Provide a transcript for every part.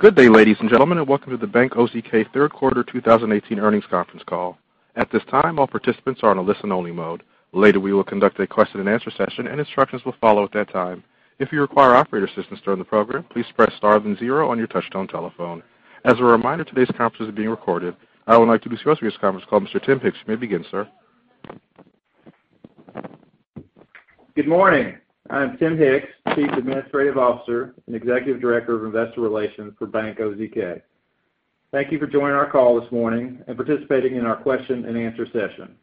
Good day, ladies and gentlemen, welcome to the Bank OZK third quarter 2018 earnings conference call. At this time, all participants are on a listen-only mode. Later, we will conduct a question and answer session, instructions will follow at that time. If you require operator assistance during the program, please press star then zero on your touch-tone telephone. As a reminder, today's conference is being recorded. I would like to introduce your host for this conference call, Mr. Tim Hicks. You may begin, sir. Good morning. I'm Tim Hicks, Chief Administrative Officer and Executive Director of Investor Relations for Bank OZK. Thank you for joining our call this morning and participating in our question and answer session.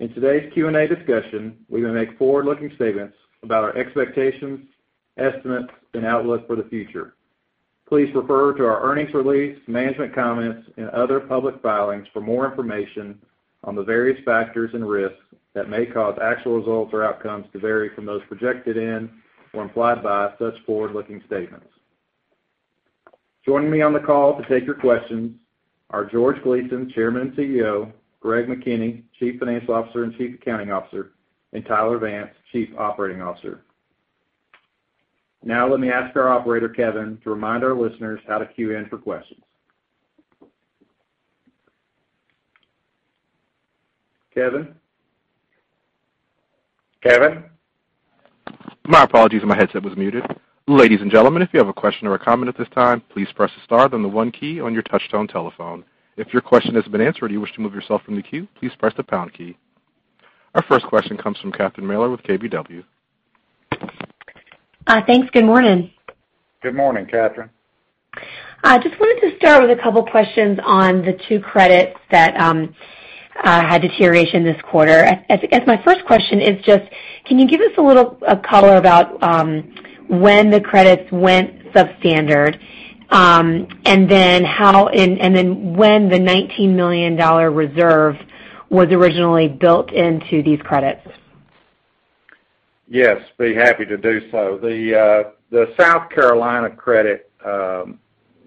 In today's Q&A discussion, we will make forward-looking statements about our expectations, estimates, and outlook for the future. Please refer to our earnings release, management comments, and other public filings for more information on the various factors and risks that may cause actual results or outcomes to vary from those projected in or implied by such forward-looking statements. Joining me on the call to take your questions are George Gleason, Chairman and CEO, Greg McKinney, Chief Financial Officer and Chief Accounting Officer, and Tyler Vance, Chief Operating Officer. Now, let me ask our operator, Kevin, to remind our listeners how to queue in for questions. Kevin? Kevin? My apologies. My headset was muted. Ladies and gentlemen, if you have a question or a comment at this time, please press star then the 1 key on your touch-tone telephone. If your question has been answered and you wish to move yourself from the queue, please press the pound key. Our first question comes from Catherine Mealor with KBW. Thanks. Good morning. Good morning, Catherine. Just wanted to start with a couple of questions on the two credits that had deterioration this quarter. I guess my first question is, can you give us a little color about when the credits went substandard, and then when the $19 million reserve was originally built into these credits? Yes, be happy to do so. The South Carolina credit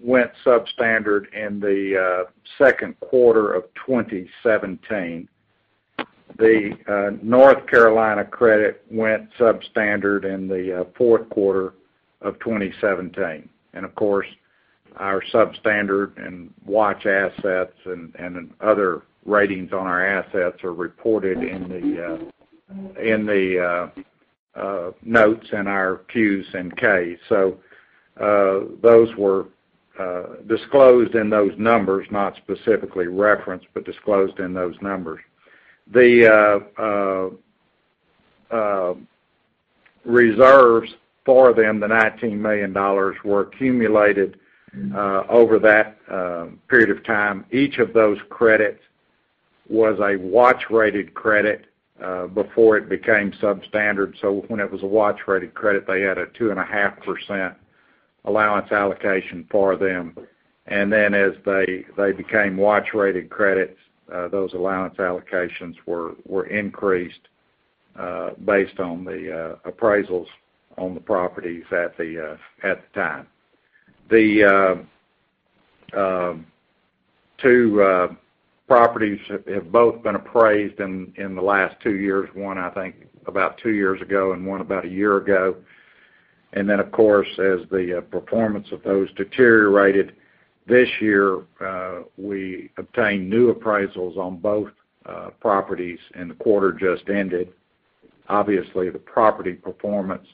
went substandard in the second quarter of 2017. The North Carolina credit went substandard in the fourth quarter of 2017. Of course, our substandard and watch assets and other ratings on our assets are reported in the notes in our Qs and Ks. Those were disclosed in those numbers, not specifically referenced, but disclosed in those numbers. The reserves for them, the $19 million, were accumulated over that period of time. Each of those credits was a watch-rated credit before it became substandard. When it was a watch-rated credit, they had a 2.5% allowance allocation for them. As they became watch-rated credits, those allowance allocations were increased based on the appraisals on the properties at the time. The two properties have both been appraised in the last two years. One, I think, about two years ago, and one about a year ago. Of course, as the performance of those deteriorated this year, we obtained new appraisals on both properties in the quarter just ended. Obviously, the property performance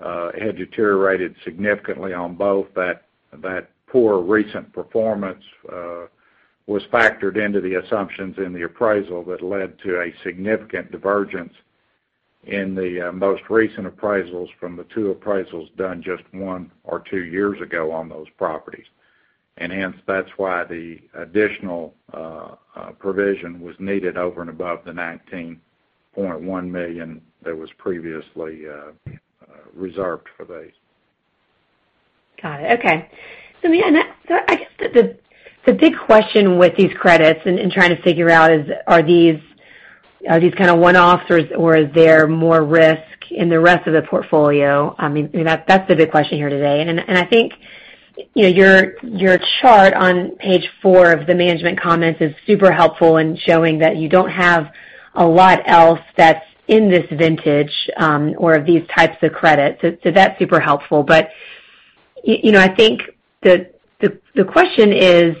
had deteriorated significantly on both. That poor recent performance was factored into the assumptions in the appraisal that led to a significant divergence in the most recent appraisals from the two appraisals done just one or two years ago on those properties. Hence, that's why the additional provision was needed over and above the $19.1 million that was previously reserved for these. Got it. Okay. I guess the big question with these credits and trying to figure out is, are these kind of one-offs, or is there more risk in the rest of the portfolio? That's the big question here today. I think your chart on page four of the management comments is super helpful in showing that you don't have a lot else that's in this vintage or of these types of credits. That's super helpful. I think the question is,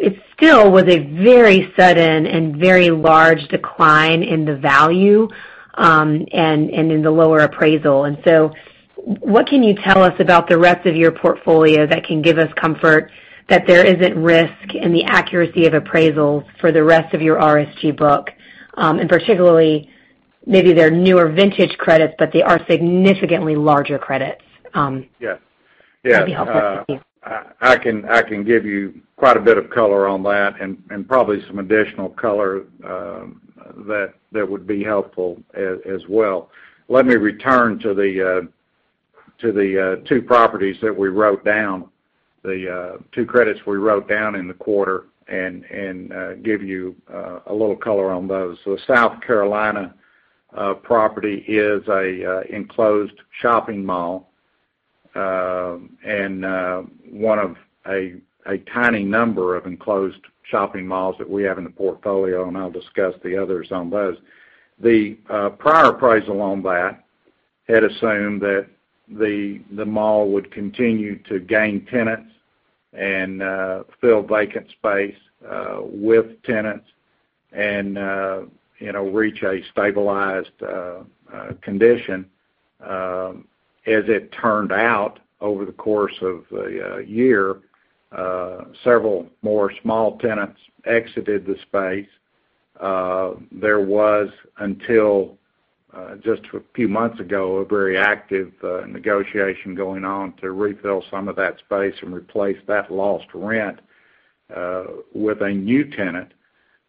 it still was a very sudden and very large decline in the value and in the lower appraisal. What can you tell us about the rest of your portfolio that can give us comfort that there isn't risk in the accuracy of appraisals for the rest of your RESG book, and particularly maybe they're newer vintage credits, but they are significantly larger credits. Yes. That'd be helpful. Thank you. I can give you quite a bit of color on that and probably some additional color that would be helpful as well. Let me return to the two properties that we wrote down, the two credits we wrote down in the quarter and give you a little color on those. The South Carolina property is an enclosed shopping mall, and one of a tiny number of enclosed shopping malls that we have in the portfolio, and I'll discuss the others on those. The prior appraisal on that had assumed that the mall would continue to gain tenants and fill vacant space with tenants, and reach a stabilized condition. As it turned out, over the course of the year, several more small tenants exited the space. There was, until just a few months ago, a very active negotiation going on to refill some of that space and replace that lost rent with a new tenant.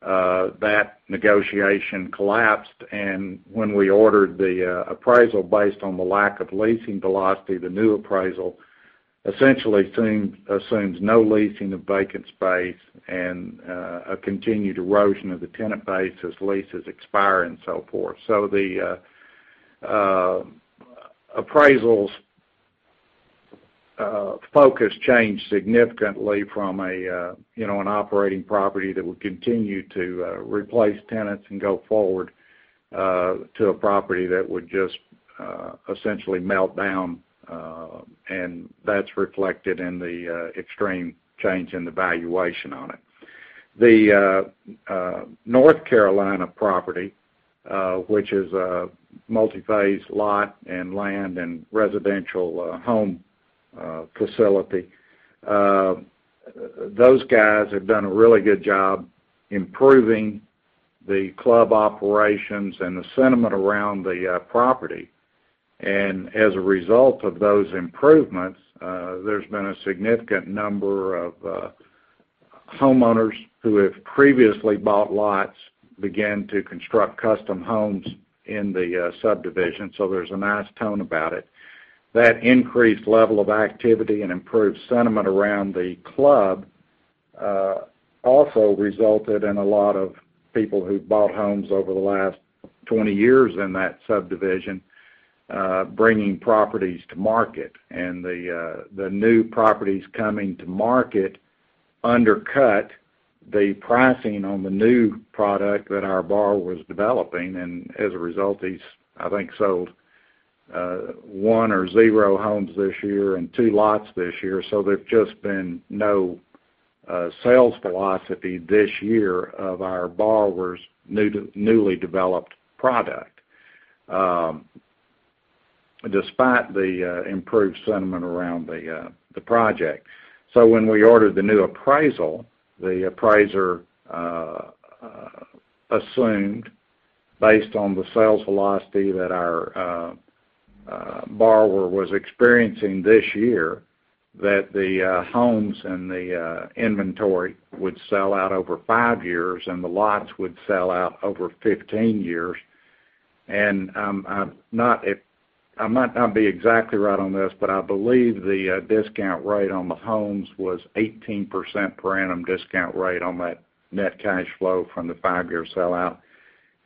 That negotiation collapsed, and when we ordered the appraisal based on the lack of leasing velocity, the new appraisal essentially assumes no leasing of vacant space and a continued erosion of the tenant base as leases expire and so forth. The appraisal's focus changed significantly from an operating property that would continue to replace tenants and go forward, to a property that would just essentially melt down, and that's reflected in the extreme change in the valuation on it. The North Carolina property, which is a multi-phase lot and land and residential home facility, those guys have done a really good job improving the club operations and the sentiment around the property. As a result of those improvements, there's been a significant number of homeowners who have previously bought lots, begin to construct custom homes in the subdivision, so there's a nice tone about it. That increased level of activity and improved sentiment around the club also resulted in a lot of people who bought homes over the last 20 years in that subdivision, bringing properties to market. The new properties coming to market undercut the pricing on the new product that our borrower was developing, and as a result, he's, I think, sold one or zero homes this year and two lots this year. There's just been no sales velocity this year of our borrower's newly developed product, despite the improved sentiment around the project. When we ordered the new appraisal, the appraiser assumed, based on the sales velocity that our borrower was experiencing this year, that the homes and the inventory would sell out over five years, and the lots would sell out over 15 years. I might not be exactly right on this, but I believe the discount rate on the homes was 18% per annum discount rate on that net cash flow from the five-year sellout.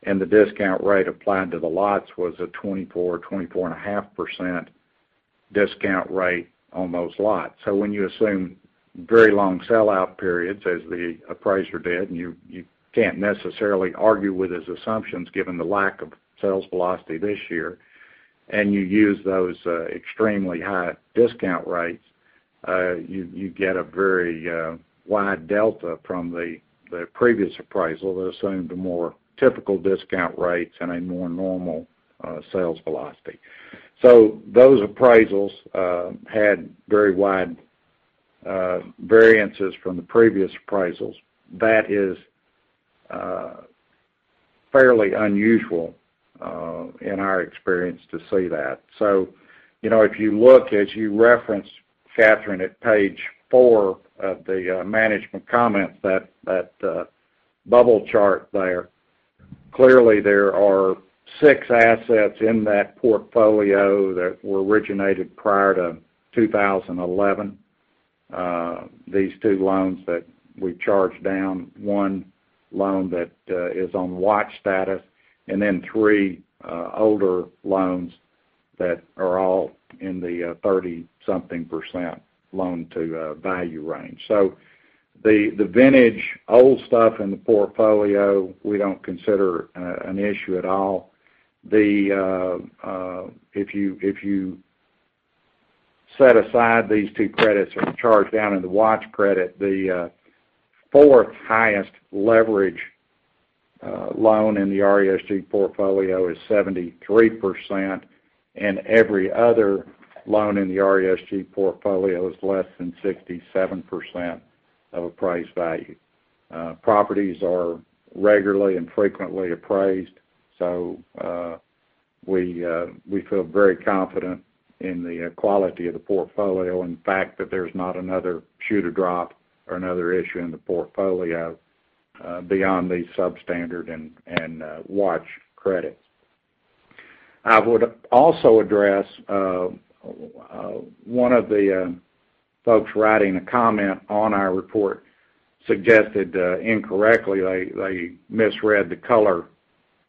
The discount rate applied to the lots was a 24%, 24.5% discount rate on those lots. When you assume very long sellout periods, as the appraiser did, and you can't necessarily argue with his assumptions, given the lack of sales velocity this year, and you use those extremely high discount rates, you get a very wide delta from the previous appraisal that assumed a more typical discount rates and a more normal sales velocity. Those appraisals had very wide variances from the previous appraisals. That is fairly unusual in our experience to see that. If you look, as you referenced, Catherine, at Page four of the management comments, that bubble chart there. Clearly, there are six assets in that portfolio that were originated prior to 2011. These two loans that we charged down, one loan that is on watch status, and then three older loans that are all in the 30-something% loan to value range. The vintage old stuff in the portfolio, we don't consider an issue at all. If you set aside these two credits that are charged down in the watch credit, the fourth highest leverage loan in the RESG portfolio is 73%, and every other loan in the RESG portfolio is less than 67% of appraised value. Properties are regularly and frequently appraised, so we feel very confident in the quality of the portfolio and the fact that there's not another shoe to drop or another issue in the portfolio beyond these substandard and watch credits. I would also address one of the folks writing a comment on our report suggested incorrectly, they misread the color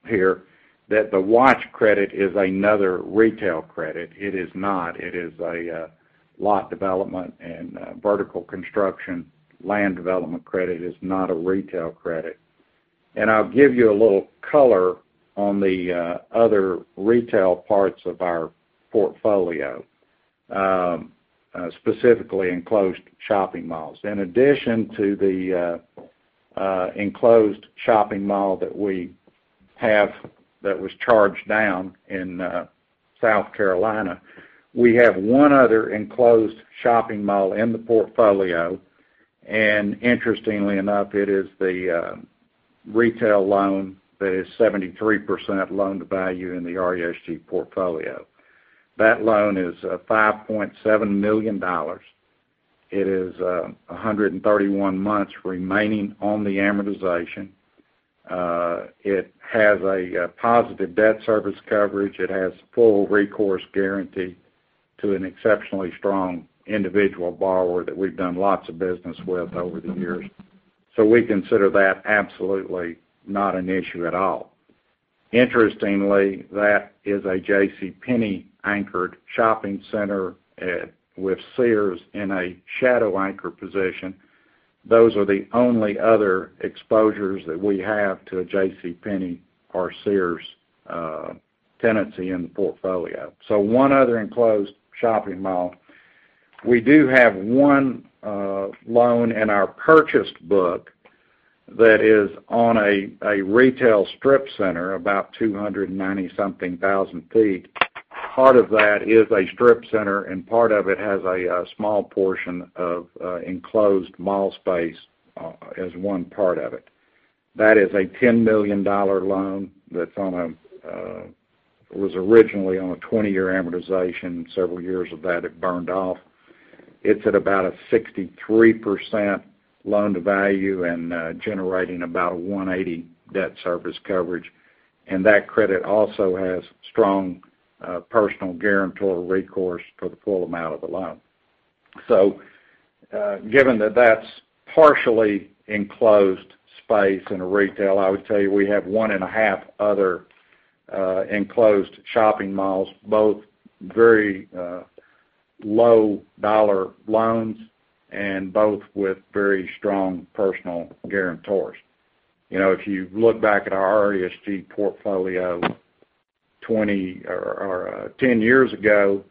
here, that the watch credit is another retail credit. It is not. It is a lot development and vertical construction land development credit. It's not a retail credit. I'll give you a little color on the other retail parts of our portfolio, specifically enclosed shopping malls. In addition to the enclosed shopping mall that we have that was charged down in South Carolina, we have one other enclosed shopping mall in the portfolio, and interestingly enough, it is the retail loan that is 73% loan-to-value in the RESG portfolio. That loan is $5.7 million. It is 131 months remaining on the amortization. It has a positive debt service coverage. It has full recourse guarantee to an exceptionally strong individual borrower that we've done lots of business with over the years. We consider that absolutely not an issue at all. Interestingly, that is a JCPenney-anchored shopping center with Sears in a shadow anchor position. Those are the only other exposures that we have to a JCPenney or Sears tenancy in the portfolio. One other enclosed shopping mall. We do have one loan in our purchased book that is on a retail strip center, about 290-something thousand feet. Part of that is a strip center, and part of it has a small portion of enclosed mall space as one part of it. That is a $10 million loan that was originally on a 20-year amortization, several years of that, it burned off. It's at about a 63% loan-to-value and generating about a 180 debt service coverage. That credit also has strong personal guarantor recourse for the full amount of the loan. Given that that's partially enclosed space in a retail, I would tell you we have one and a half other enclosed shopping malls, both very low dollar loans and both with very strong personal guarantors. If you look back at our RESG portfolio 10 years ago,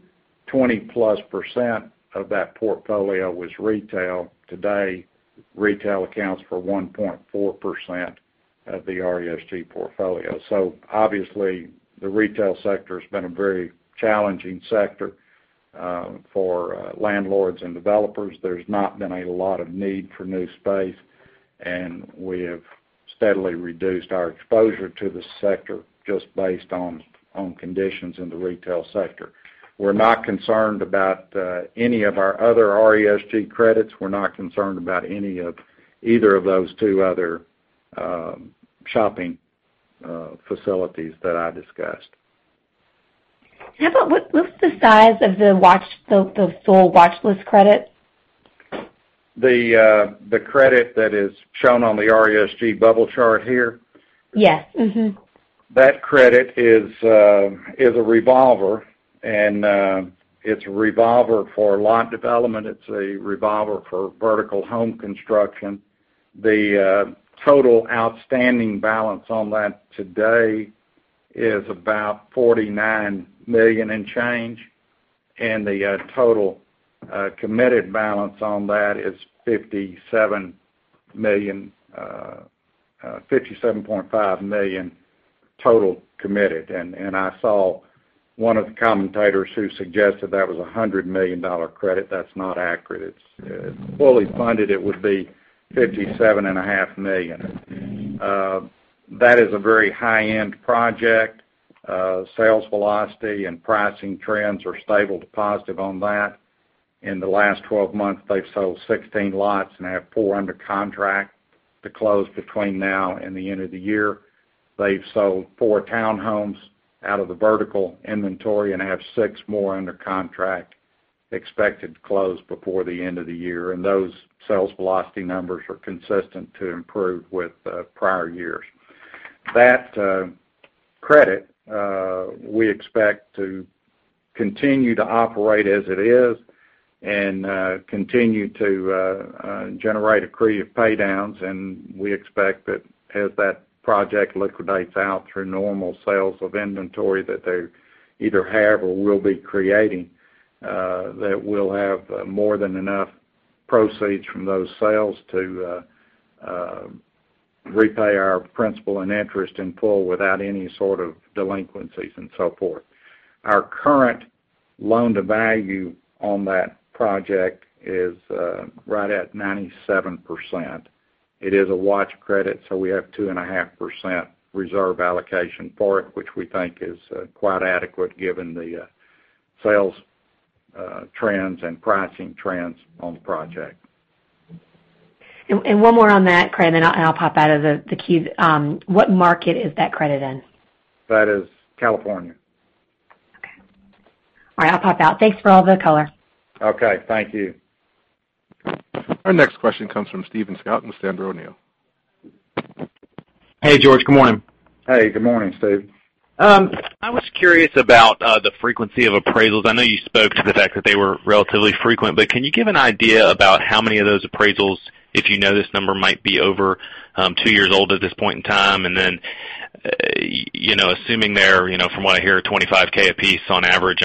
20-plus% of that portfolio was retail. Today, retail accounts for 1.4% of the RESG portfolio. Obviously, the retail sector has been a very challenging sector for landlords and developers. There's not been a lot of need for new space, we have steadily reduced our exposure to the sector just based on conditions in the retail sector. We're not concerned about any of our other RESG credits. We're not concerned about either of those two other shopping facilities that I discussed. How about, what's the size of the sole watch list credit? The credit that is shown on the RESG bubble chart here? Yes. Mm-hmm. That credit is a revolver, it's a revolver for lot development. It's a revolver for vertical home construction. The total outstanding balance on that today is about $49 million and change, the total committed balance on that is $57.5 million total committed. I saw one of the commentators who suggested that was a $100 million credit, that's not accurate. It's fully funded, it would be $57.5 million. That is a very high-end project. Sales velocity and pricing trends are stable to positive on that. In the last 12 months, they've sold 16 lots and have four under contract to close between now and the end of the year. They've sold four townhomes out of the vertical inventory and have six more under contract expected to close before the end of the year, Those sales velocity numbers are consistent to improve with prior years. That credit, we expect to continue to operate as it is continue to generate accretive pay-downs, We expect that as that project liquidates out through normal sales of inventory that they either have or will be creating, that we'll have more than enough proceeds from those sales to repay our principal and interest in full without any sort of delinquencies and so forth. Our current loan-to-value on that project is right at 97%. It is a watch credit, so we have 2.5% reserve allocation for it, which we think is quite adequate given the sales trends and pricing trends on the project. One more on that, Greg, and then I'll pop out of the queue. What market is that credit in? That is California. Okay. All right, I'll pop out. Thanks for all the color. Okay. Thank you. Our next question comes from Stephen Scouten with Sandler O'Neill. Hey, George. Good morning. Hey, good morning, Steve. I was curious about the frequency of appraisals. I know you spoke to the fact that they were relatively frequent. Can you give an idea about how many of those appraisals, if you know this number might be over two years old at this point in time? Assuming they're, from what I hear, $25K a piece on average,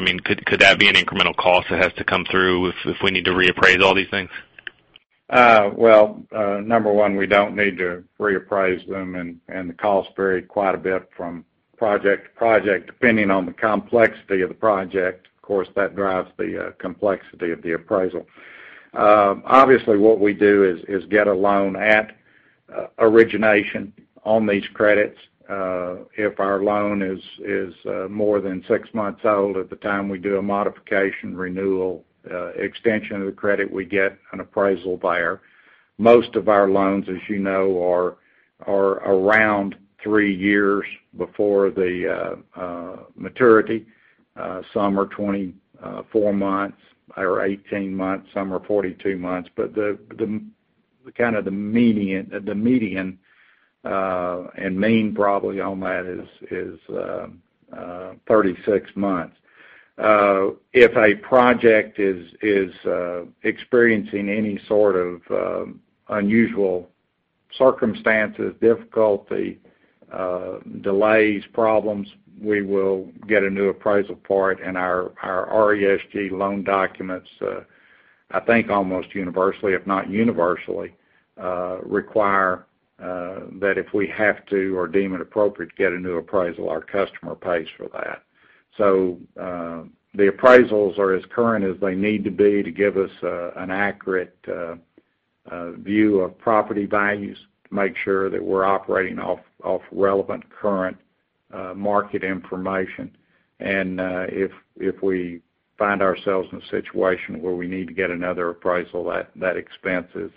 could that be an incremental cost that has to come through if we need to reappraise all these things? Well, number one, we don't need to reappraise them, and the costs vary quite a bit from project to project, depending on the complexity of the project. Of course, that drives the complexity of the appraisal. Obviously, what we do is get a loan at origination on these credits. If our loan is more than six months old at the time we do a modification, renewal, extension of the credit, we get an appraisal there. Most of our loans, as you know, are around three years before the maturity. Some are 24 months or 18 months. Some are 42 months. The median and mean probably on that is 36 months. If a project is experiencing any sort of unusual circumstances, difficulty, delays, problems, we will get a new appraisal for it, and our RESG loan documents, I think almost universally, if not universally, require that if we have to or deem it appropriate to get a new appraisal, our customer pays for that. The appraisals are as current as they need to be to give us an accurate view of property values to make sure that we're operating off relevant current market information. If we find ourselves in a situation where we need to get another appraisal, that expense is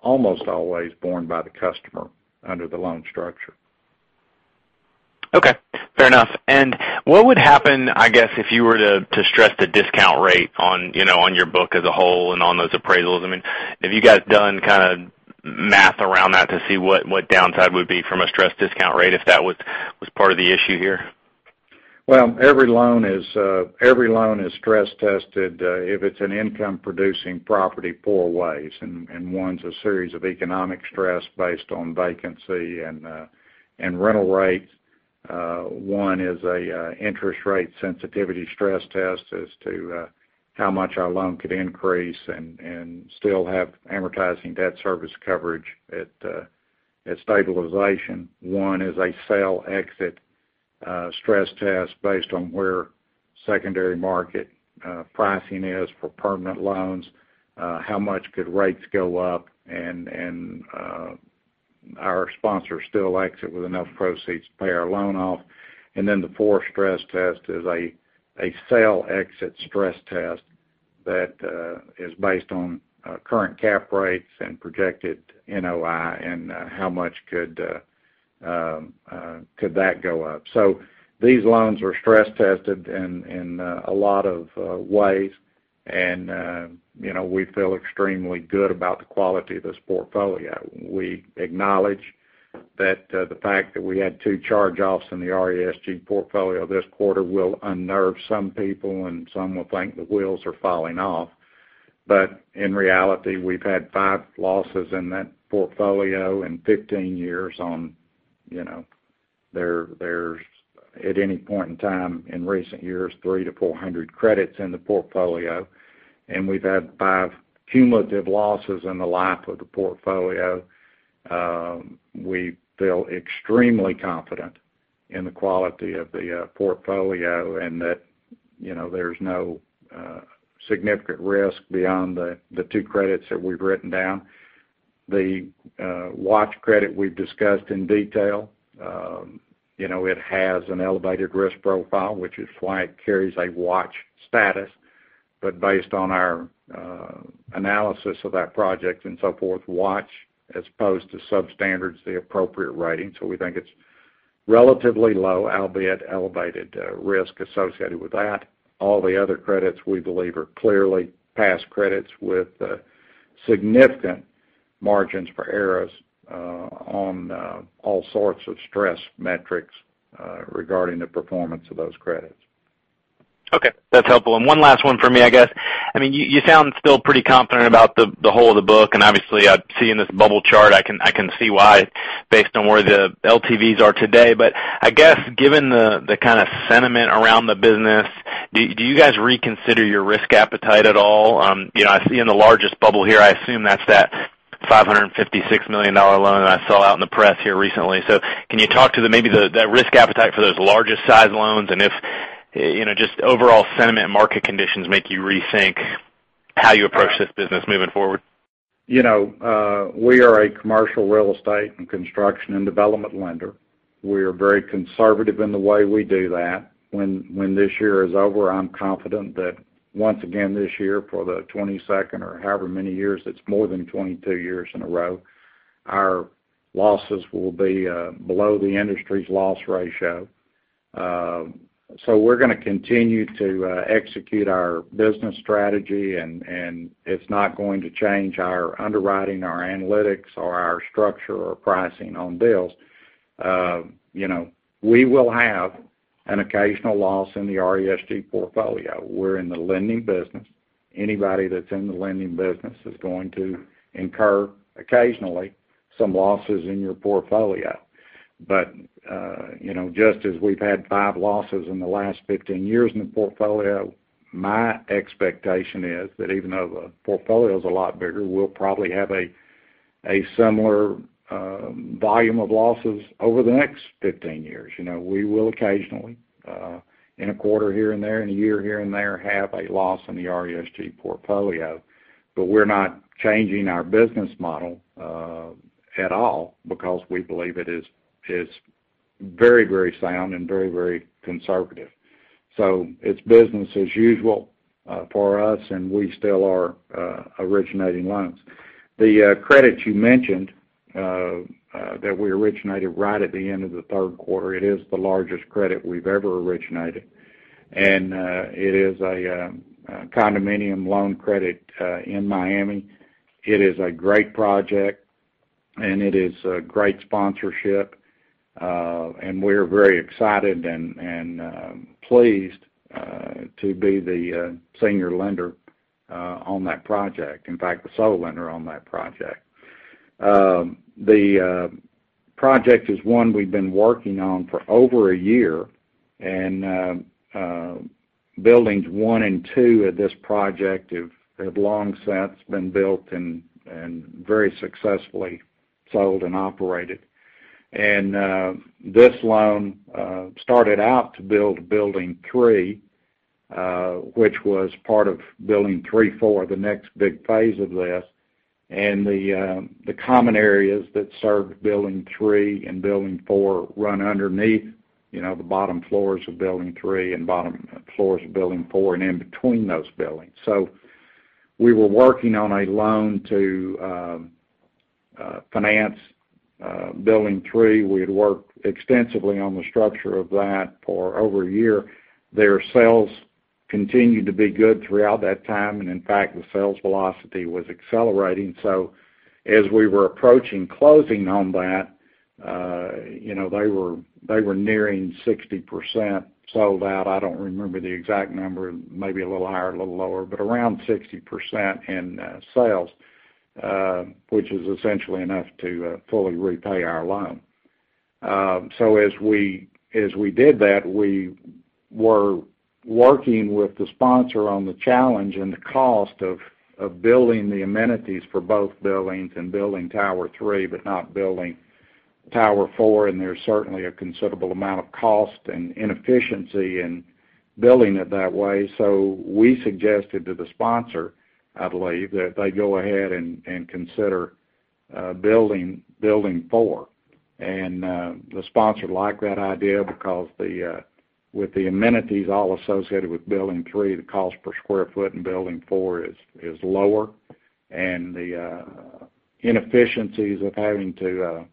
almost always borne by the customer under the loan structure. Okay. Fair enough. What would happen, I guess, if you were to stress the discount rate on your book as a whole and on those appraisals? Have you guys done math around that to see what downside would be from a stressed discount rate, if that was part of the issue here? Well, every loan is stress-tested if it's an income-producing property four ways, and one's a series of economic stress based on vacancy and rental rates. One is an interest rate sensitivity stress test as to how much our loan could increase and still have amortizing debt service coverage at stabilization. One is a sale exit stress test based on where secondary market pricing is for permanent loans, how much could rates go up, and our sponsor still exit with enough proceeds to pay our loan off. Then the fourth stress test is a sale exit stress test that is based on current cap rates and projected NOI, and how much could that go up. These loans were stress-tested in a lot of ways, and we feel extremely good about the quality of this portfolio. We acknowledge that the fact that we had two charge-offs in the RESG portfolio this quarter will unnerve some people, and some will think the wheels are falling off. In reality, we've had five losses in that portfolio in 15 years. There's, at any point in time in recent years, 300 to 400 credits in the portfolio, and we've had five cumulative losses in the life of the portfolio. We feel extremely confident in the quality of the portfolio and that there's no significant risk beyond the two credits that we've written down. The watch credit we've discussed in detail. It has an elevated risk profile, which is why it carries a watch status. Based on our analysis of that project and so forth, watch as opposed to substandards, the appropriate rating. We think it's relatively low, albeit elevated risk associated with that. All the other credits, we believe, are clearly past credits with significant margins for errors on all sorts of stress metrics regarding the performance of those credits. Okay. That's helpful. One last one from me, I guess. You sound still pretty confident about the whole of the book, and obviously, I've seen this bubble chart. I can see why based on where the LTVs are today. I guess, given the kind of sentiment around the business, do you guys reconsider your risk appetite at all? I see in the largest bubble here, I assume that's that $556 million loan that I saw out in the press here recently. Can you talk to maybe that risk appetite for those largest size loans, and if just overall sentiment market conditions make you rethink how you approach this business moving forward? We are a commercial real estate and construction and development lender. We are very conservative in the way we do that. When this year is over, I'm confident that once again this year, for the 22nd or however many years, it's more than 22 years in a row, our losses will be below the industry's loss ratio. We're going to continue to execute our business strategy, and it's not going to change our underwriting, our analytics or our structure or pricing on deals. We will have an occasional loss in the RESG portfolio. We're in the lending business. Anybody that's in the lending business is going to incur, occasionally, some losses in your portfolio. Just as we've had five losses in the last 15 years in the portfolio, my expectation is that even though the portfolio is a lot bigger, we'll probably have a similar volume of losses over the next 15 years. We will occasionally, in a quarter here and there, in a year here and there, have a loss in the RESG portfolio. We're not changing our business model at all because we believe it is very sound and very conservative. It's business as usual for us, and we still are originating loans. The credit you mentioned, that we originated right at the end of the third quarter, it is the largest credit we've ever originated. It is a condominium loan credit in Miami. It is a great project, and it is a great sponsorship. We're very excited and pleased to be the senior lender on that project. In fact, the sole lender on that project. The project is one we've been working on for over a year, and buildings 1 and 2 of this project have long since been built and very successfully sold and operated. This loan started out to build building 3, which was part of building 3, 4, the next big phase of this. The common areas that serve building 3 and building 4 run underneath the bottom floors of building 3 and bottom floors of building 4 and in between those buildings. We were working on a loan to finance building 3. We had worked extensively on the structure of that for over a year. Their sales continued to be good throughout that time, and in fact, the sales velocity was accelerating. As we were approaching closing on that, they were nearing 60% sold out. I don't remember the exact number, maybe a little higher, a little lower, but around 60% in sales, which is essentially enough to fully repay our loan. As we did that, we were working with the sponsor on the challenge and the cost of building the amenities for both buildings and building tower 3, but not building tower 4, and there's certainly a considerable amount of cost and inefficiency in building it that way. We suggested to the sponsor, I believe, that they go ahead and consider building 4. The sponsor liked that idea because with the amenities all associated with building 3, the cost per square foot in building 4 is lower. The inefficiencies of having to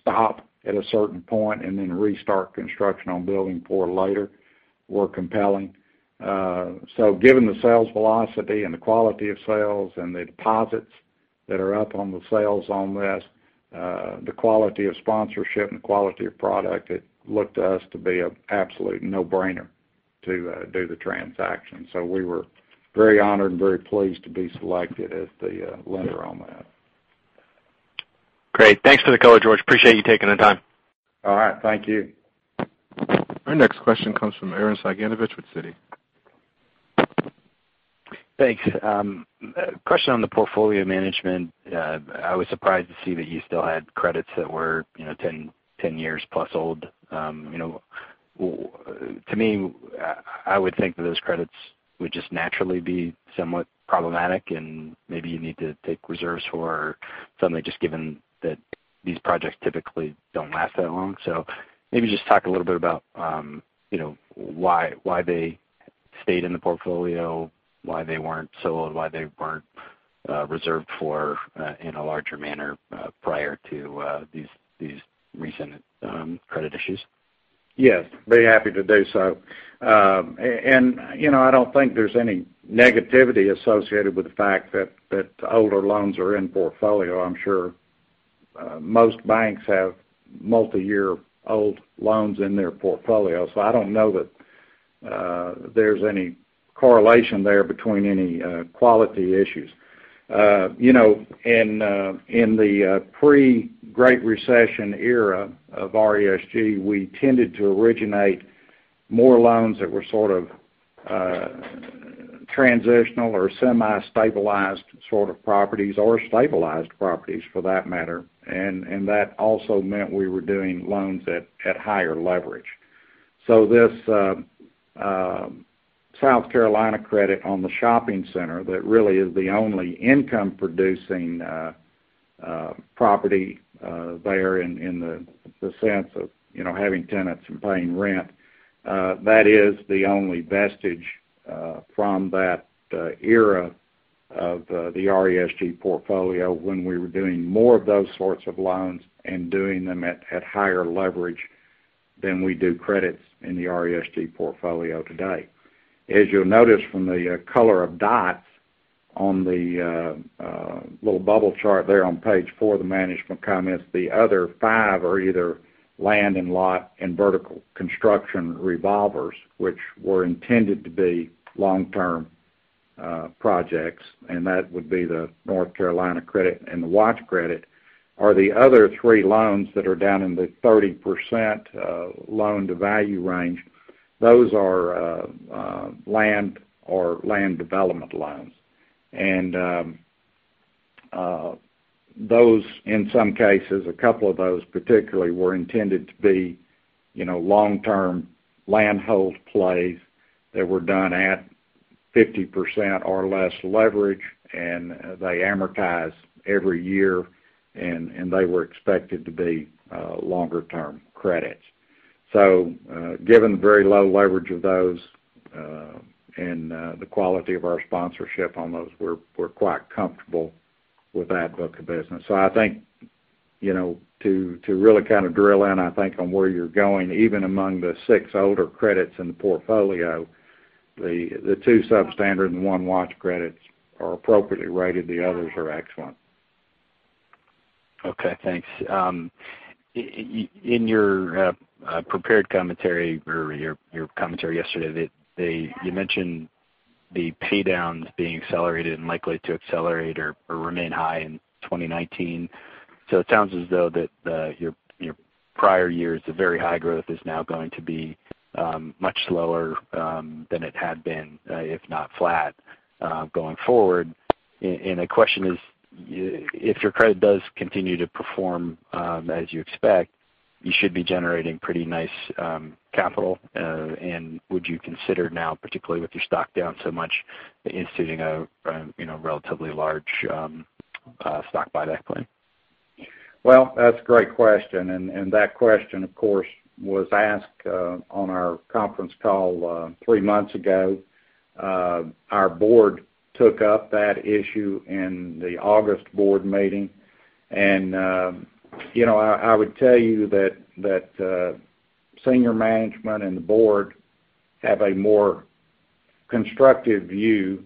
stop at a certain point and then restart construction on building 4 later were compelling. Given the sales velocity and the quality of sales and the deposits that are up on the sales on this, the quality of sponsorship and the quality of product, it looked to us to be an absolute no-brainer to do the transaction. We were very honored and very pleased to be selected as the lender on that. Great. Thanks for the color, George. Appreciate you taking the time. All right. Thank you. Our next question comes from Aaron Cyganiewicz with Citi. Thanks. Question on the portfolio management. I was surprised to see that you still had credits that were 10 years plus old. To me, I would think that those credits would just naturally be somewhat problematic, and maybe you need to take reserves for something, just given that these projects typically don't last that long. Maybe just talk a little bit about why they stayed in the portfolio, why they weren't sold, why they weren't reserved for in a larger manner prior to these recent credit issues. Yes. Very happy to do so. I don't think there's any negativity associated with the fact that older loans are in portfolio. I'm sure most banks have multi-year old loans in their portfolio. I don't know that there's any correlation there between any quality issues. In the pre-Great Recession era of RESG, we tended to originate more loans that were sort of transitional or semi-stabilized sort of properties, or stabilized properties for that matter. That also meant we were doing loans at higher leverage. This South Carolina credit on the shopping center, that really is the only income-producing property there in the sense of having tenants and paying rent. That is the only vestige from that era of the RESG portfolio when we were doing more of those sorts of loans and doing them at higher leverage than we do credits in the RESG portfolio today. As you'll notice from the color of dots on the little bubble chart there on page four of the management comments, the other five are either land, and lot, and vertical construction revolvers, which were intended to be long-term projects, that would be the North Carolina credit and the watch credit. The other three loans that are down in the 30% loan-to-value range, those are land or land development loans. Those, in some cases, a couple of those particularly, were intended to be long-term land hold plays that were done at 50% or less leverage, they amortize every year, and they were expected to be longer-term credits. Given the very low leverage of those and the quality of our sponsorship on those, we're quite comfortable with that book of business. I think to really kind of drill in, I think, on where you're going, even among the six older credits in the portfolio, the two substandard and one watch credits are appropriately rated. The others are excellent. Okay, thanks. In your prepared commentary, or your commentary yesterday, you mentioned the pay-downs being accelerated and likely to accelerate or remain high in 2019. It sounds as though that your prior years of very high growth is now going to be much slower than it had been, if not flat, going forward. The question is, if your credit does continue to perform as you expect, you should be generating pretty nice capital. Would you consider now, particularly with your stock down so much, instituting a relatively large stock buyback plan? That's a great question. That question, of course, was asked on our conference call 3 months ago. Our board took up that issue in the August board meeting. I would tell you that senior management and the board have a more constructive view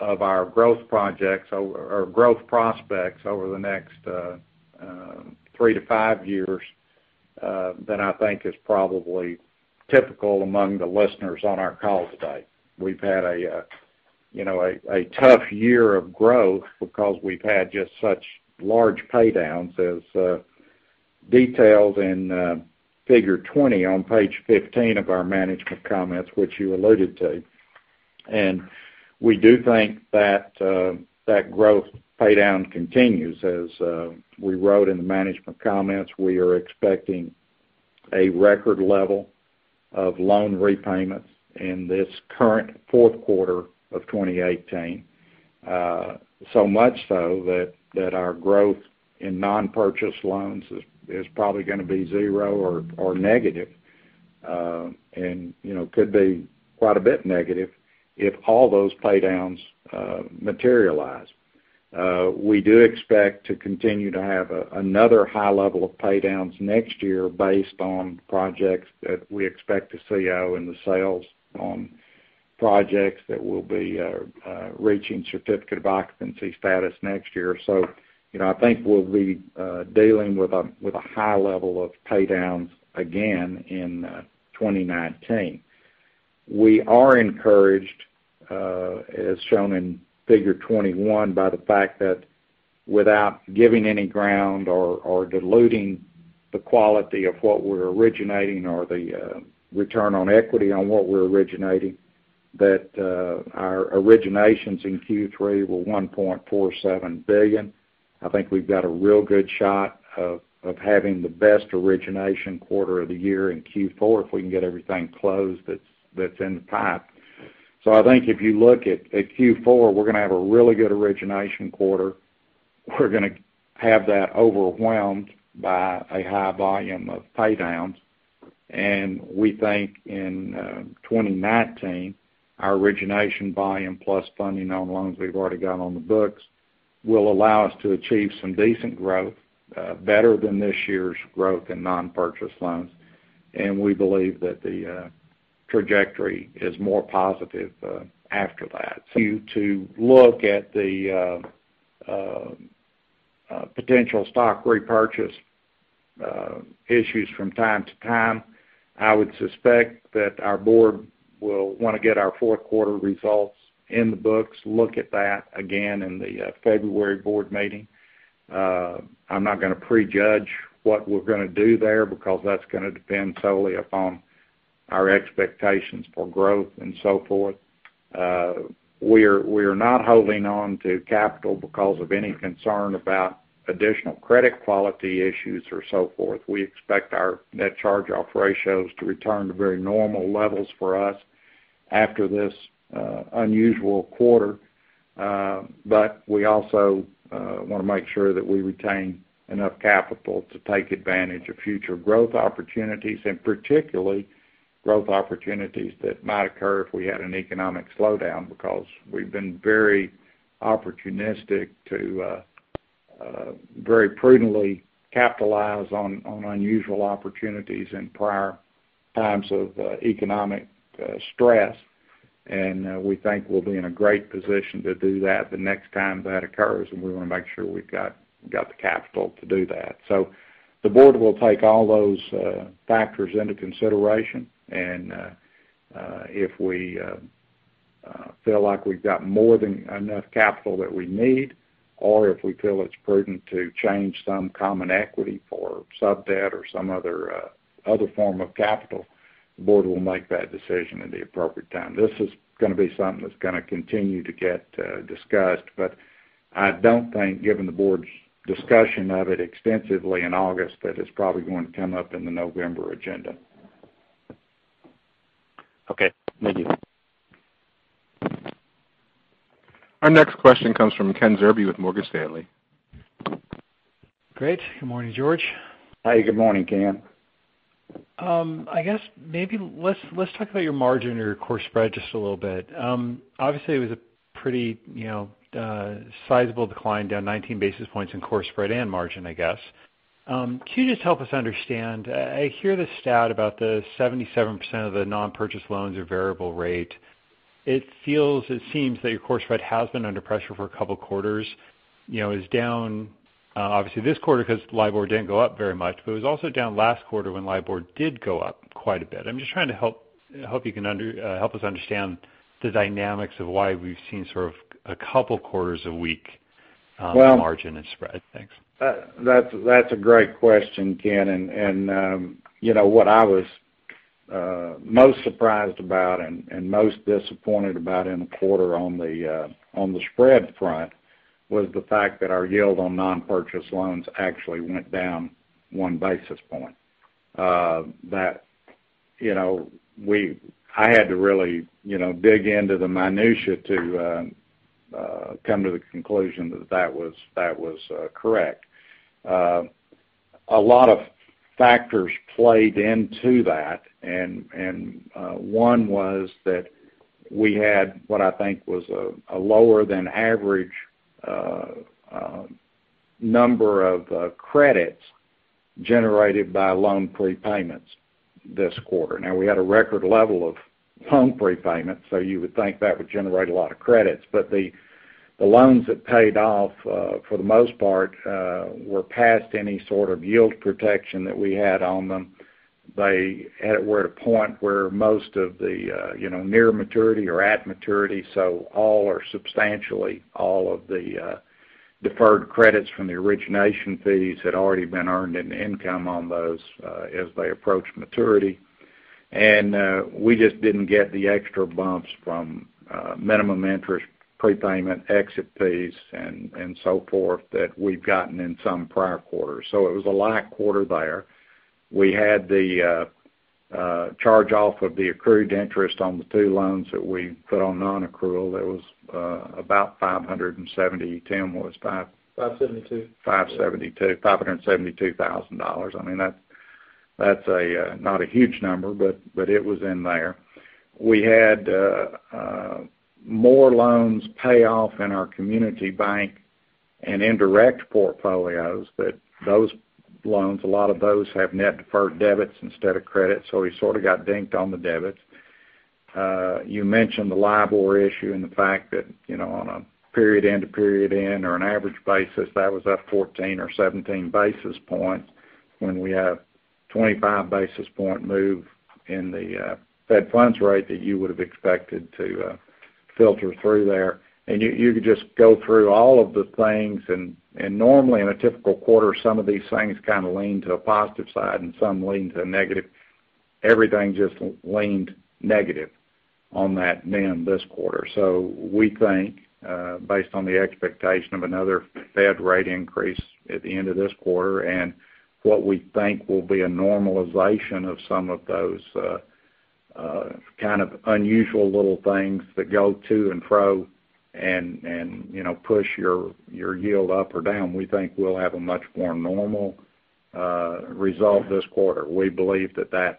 of our growth prospects over the next 3 to 5 years than I think is probably typical among the listeners on our call today. We've had a tough year of growth because we've had just such large pay-downs as detailed in Figure 20 on page 15 of our management comments, which you alluded to. We do think that that growth pay-down continues. As we wrote in the management comments, we are expecting a record level of loan repayments in this current fourth quarter of 2018, so much so that our growth in non-purchase loans is probably going to be zero or negative. Could be quite a bit negative if all those pay-downs materialize. We do expect to continue to have another high level of pay-downs next year based on projects that we expect to CO, and the sales on projects that will be reaching certificate of occupancy status next year. I think we'll be dealing with a high level of pay-downs again in 2019. We are encouraged, as shown in Figure 21, by the fact that without giving any ground or diluting the quality of what we're originating or the return on equity on what we're originating, that our originations in Q3 were $1.47 billion. I think we've got a real good shot of having the best origination quarter of the year in Q4 if we can get everything closed that's in the pipe. I think if you look at Q4, we're going to have a really good origination quarter. We're going to have that overwhelmed by a high volume of pay-downs. We think in 2019, our origination volume plus funding on loans we've already got on the books will allow us to achieve some decent growth, better than this year's growth in non-purchase loans. We believe that the trajectory is more positive after that. You to look at the potential stock repurchase issues from time to time. I would suspect that our board will want to get our fourth quarter results in the books, look at that again in the February board meeting. I'm not going to prejudge what we're going to do there because that's going to depend solely upon our expectations for growth and so forth. We're not holding on to capital because of any concern about additional credit quality issues or so forth. We expect our net charge-off ratios to return to very normal levels for us after this unusual quarter. We also want to make sure that we retain enough capital to take advantage of future growth opportunities, and particularly growth opportunities that might occur if we had an economic slowdown because we've been very opportunistic to very prudently capitalize on unusual opportunities in prior times of economic stress. We think we'll be in a great position to do that the next time that occurs. We want to make sure we've got the capital to do that. The board will take all those factors into consideration, and if we feel like we've got more than enough capital that we need, or if we feel it's prudent to change some common equity for sub-debt or some other form of capital, the board will make that decision at the appropriate time. This is going to be something that's going to continue to get discussed, I don't think, given the board's discussion of it extensively in August, that it's probably going to come up in the November agenda. Okay. Thank you. Our next question comes from Kenneth Zerbe with Morgan Stanley. Great. Good morning, George. Hi, good morning, Ken. I guess, maybe let's talk about your margin or your core spread just a little bit. Obviously, it was a pretty sizable decline, down 19 basis points in core spread and margin, I guess. Can you just help us understand, I hear this stat about the 77% of the non-purchase loans are variable rate. It seems that your core spread has been under pressure for a couple quarters. It was down, obviously, this quarter because LIBOR didn't go up very much. It was also down last quarter when LIBOR did go up quite a bit. I hope you can help us understand the dynamics of why we've seen sort of a couple quarters of weak margin and spread. Thanks. That's a great question, Ken. What I was most surprised about and most disappointed about in the quarter on the spread front was the fact that our yield on non-purchase loans actually went down one basis point. I had to really dig into the minutia to come to the conclusion that that was correct. A lot of factors played into that. One was that we had what I think was a lower than average number of credits generated by loan prepayments this quarter. We had a record level of home prepayments, so you would think that would generate a lot of credits. The loans that paid off, for the most part, were past any sort of yield protection that we had on them. They were at a point where most of the near maturity or at maturity. All or substantially all of the deferred credits from the origination fees had already been earned in income on those as they approached maturity. We just didn't get the extra bumps from minimum interest prepayment exit fees and so forth that we've gotten in some prior quarters. It was a light quarter there. We had the charge-off of the accrued interest on the two loans that we put on non-accrual. That was about $570. Tim, what was, 572 572. $572,000. That's not a huge number, but it was in there. We had more loans pay off in our community bank and indirect portfolios, but those loans, a lot of those have net deferred debits instead of credits, we sort of got dinked on the debits. You mentioned the LIBOR issue and the fact that on a period-end to period-end or an average basis, that was up 14 or 17 basis points when we have 25 basis point move in the Fed funds rate that you would have expected to filter through there. You could just go through all of the things, and normally in a typical quarter, some of these things kind of lean to a positive side and some lean to a negative. Everything just leaned negative on that NIM this quarter. We think based on the expectation of another Fed rate increase at the end of this quarter and what we think will be a normalization of some of those kind of unusual little things that go to and fro and push your yield up or down, we think we'll have a much more normal result this quarter. We believe that that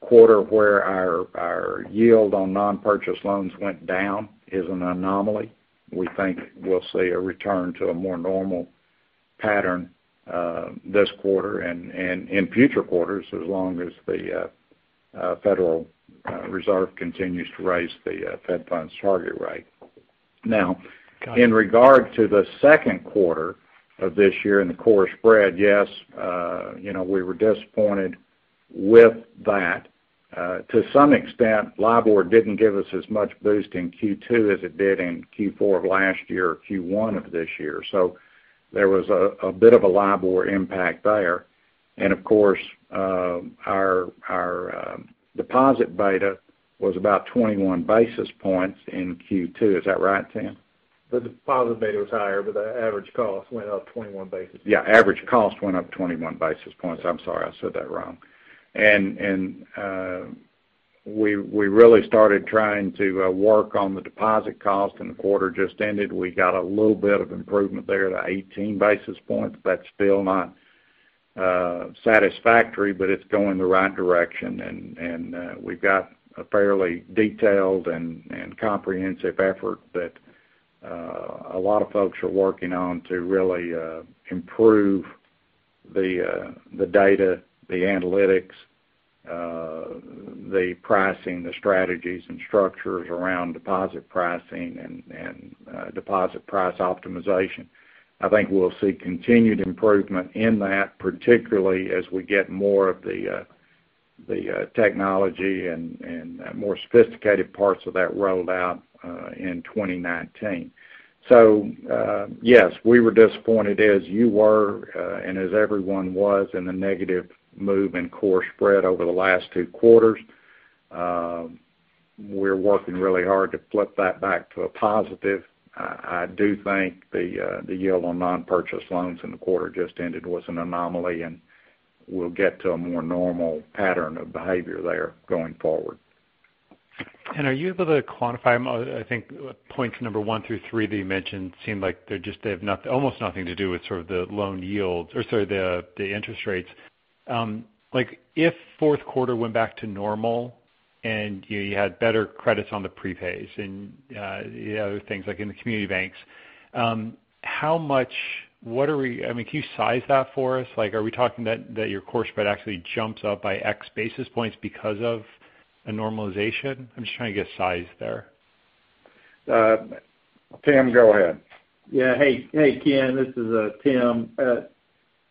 quarter where our yield on non-purchase loans went down is an anomaly. We think we'll see a return to a more normal pattern this quarter and in future quarters as long as the Federal Reserve continues to raise the fed funds target rate. In regard to the second quarter of this year and the core spread, yes, we were disappointed with that. To some extent, LIBOR didn't give us as much boost in Q2 as it did in Q4 of last year or Q1 of this year. There was a bit of a LIBOR impact there. Of course, our deposit beta was about 21 basis points in Q2. Is that right, Tim? The deposit beta was higher, the average cost went up 21 basis points. Yeah, average cost went up 21 basis points. I'm sorry, I said that wrong. We really started trying to work on the deposit cost in the quarter just ended. We got a little bit of improvement there at 18 basis points, but that's still not satisfactory, but it's going the right direction. We've got a fairly detailed and comprehensive effort that a lot of folks are working on to really improve the data, the analytics, the pricing, the strategies, and structures around deposit pricing and deposit price optimization. I think we'll see continued improvement in that, particularly as we get more of the technology and more sophisticated parts of that rolled out in 2019. Yes, we were disappointed as you were, and as everyone was in the negative move in core spread over the last two quarters. We're working really hard to flip that back to a positive. I do think the yield on non-purchase loans in the quarter just ended was an anomaly, and we'll get to a more normal pattern of behavior there going forward. Are you able to quantify, I think, points number 1 through 3 that you mentioned seem like they have almost nothing to do with sort of the loan yields, or sorry, the interest rates. If fourth quarter went back to normal and you had better credits on the prepays and the other things like in the community banks, can you size that for us? Are we talking that your core spread actually jumps up by X basis points because of a normalization? I'm just trying to get size there. Tim, go ahead. Yeah. Hey, Ken. This is Tim.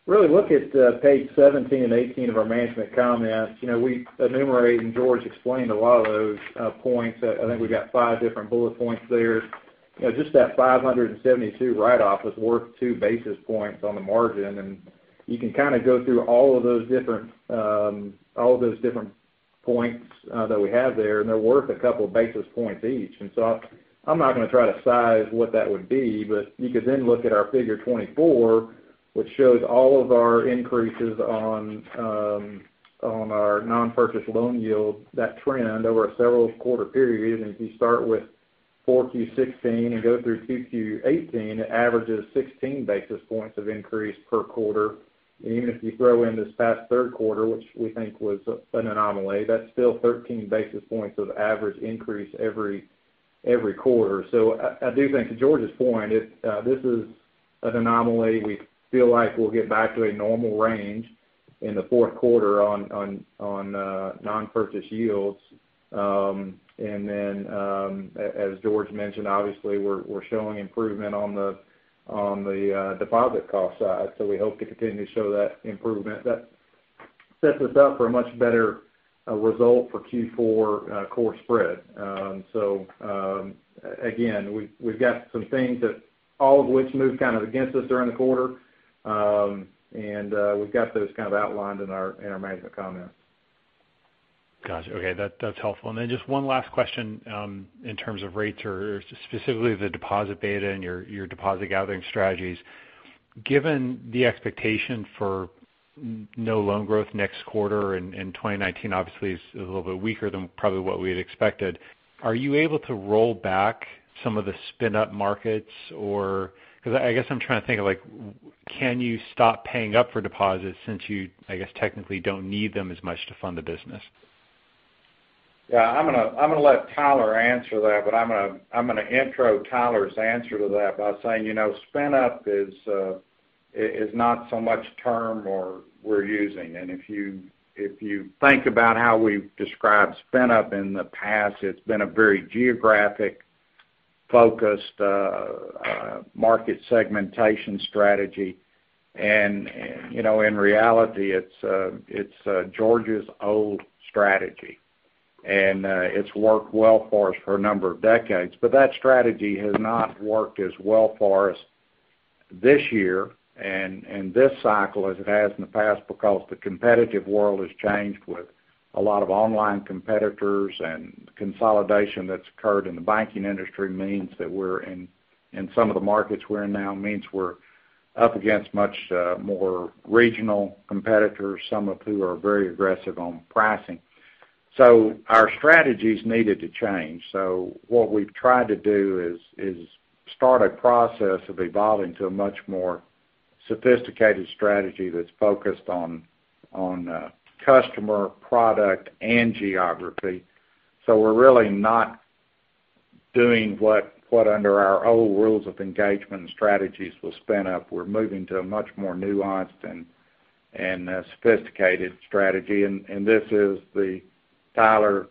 Really look at page 17 and 18 of our management comments. We enumerate. George explained a lot of those points. I think we've got five different bullet points there. Just that 572 write-off was worth two basis points on the margin. You can kind of go through all of those different points that we have there, and they're worth a couple of basis points each. I'm not going to try to size what that would be. You could then look at our figure 24, which shows all of our increases on our non-purchase loan yield, that trend over a several quarter period. If you start with 4Q16 and go through 2Q18, it averages 16 basis points of increase per quarter. Even if you throw in this past third quarter, which we think was an anomaly, that's still 13 basis points of average increase every quarter. I do think to George's point, this is an anomaly. We feel like we'll get back to a normal range in the fourth quarter on non-purchase yields. Then, as George mentioned, obviously, we're showing improvement on the deposit cost side. We hope to continue to show that improvement. That sets us up for a much better result for Q4 core spread. Again, we've got some things that all of which moved kind of against us during the quarter. We've got those kind of outlined in our management comments. Got you. Okay, that's helpful. Then just one last question, in terms of rates or specifically the deposit beta and your deposit gathering strategies. Given the expectation for no loan growth next quarter and 2019 obviously is a little bit weaker than probably what we had expected, are you able to roll back some of the spin up markets? Because I guess I'm trying to think of, can you stop paying up for deposits since you, I guess, technically don't need them as much to fund the business? Yeah. I'm going to let Tyler answer that, but I'm going to intro Tyler's answer to that by saying spin up is not so much term or we're using. If you think about how we've described spin up in the past, it's been a very geographic-focused market segmentation strategy. In reality, it's George's old strategy. It's worked well for us for a number of decades. That strategy has not worked as well for us this year and this cycle as it has in the past because the competitive world has changed with a lot of online competitors and consolidation that's occurred in the banking industry means that we're in some of the markets we're in now means we're up against much more regional competitors, some of who are very aggressive on pricing. Our strategies needed to change. What we've tried to do is start a process of evolving to a much more sophisticated strategy that's focused on customer, product, and geography. We're really not doing what under our old rules of engagement strategies was spin up. We're moving to a much more nuanced and sophisticated strategy. This is the Tyler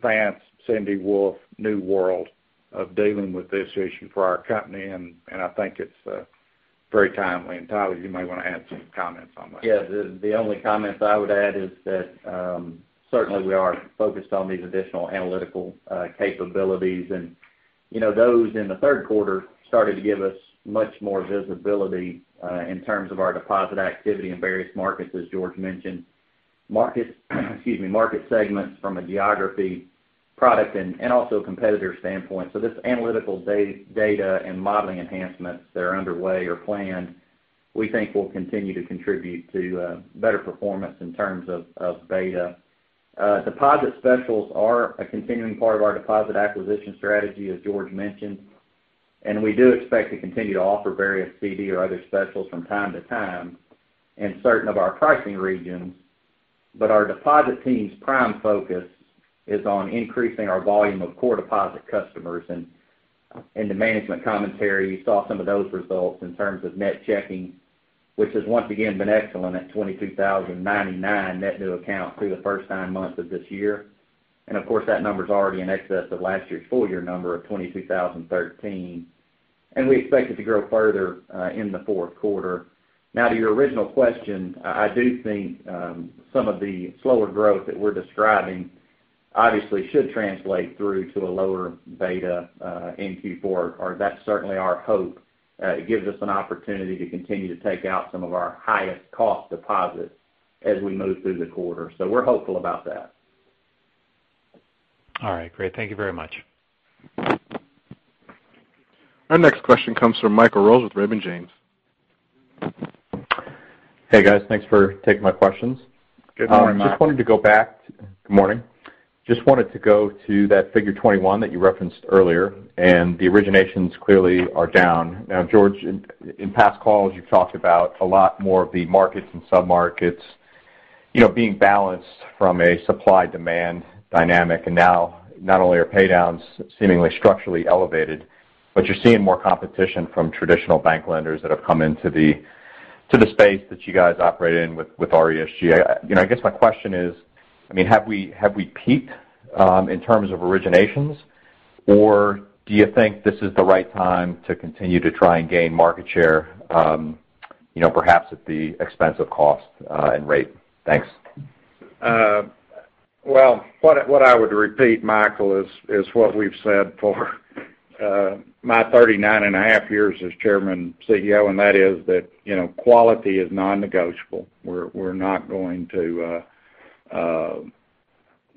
Vance, Cindy Wolfe new world of dealing with this issue for our company, and I think it's very timely. Tyler, you might want to add some comments on that. The only comments I would add is that, certainly we are focused on these additional analytical capabilities. Those in the third quarter started to give us much more visibility in terms of our deposit activity in various markets, as George mentioned. Market segments from a geography product and also competitor standpoint. This analytical data and modeling enhancements that are underway or planned, we think will continue to contribute to better performance in terms of beta. Deposit specials are a continuing part of our deposit acquisition strategy, as George mentioned. We do expect to continue to offer various CD or other specials from time to time in certain of our pricing regions. Our deposit team's prime focus is on increasing our volume of core deposit customers. In the management commentary, you saw some of those results in terms of net checking, which has once again been excellent at 22,099 net new accounts through the first nine months of this year. Of course, that number's already in excess of last year's full year number of 22,013, and we expect it to grow further in the fourth quarter. To your original question, I do think some of the slower growth that we're describing obviously should translate through to a lower beta in Q4, or that's certainly our hope. It gives us an opportunity to continue to take out some of our highest cost deposits as we move through the quarter. We're hopeful about that. All right, great. Thank you very much. Our next question comes from Michael Rose with Raymond James. Hey, guys. Thanks for taking my questions. Good morning, Mike. Good morning. Just wanted to go to that figure 21 that you referenced earlier. The originations clearly are down. George, in past calls, you've talked about a lot more of the markets and sub-markets being balanced from a supply-demand dynamic. Now not only are pay-downs seemingly structurally elevated, but you're seeing more competition from traditional bank lenders that have come into the space that you guys operate in with RESG. I guess my question is, have we peaked in terms of originations, or do you think this is the right time to continue to try and gain market share perhaps at the expense of cost and rate? Thanks. What I would repeat, Michael, is what we've said for my 39 and a half years as Chairman and CEO. That is that quality is non-negotiable. We're not going to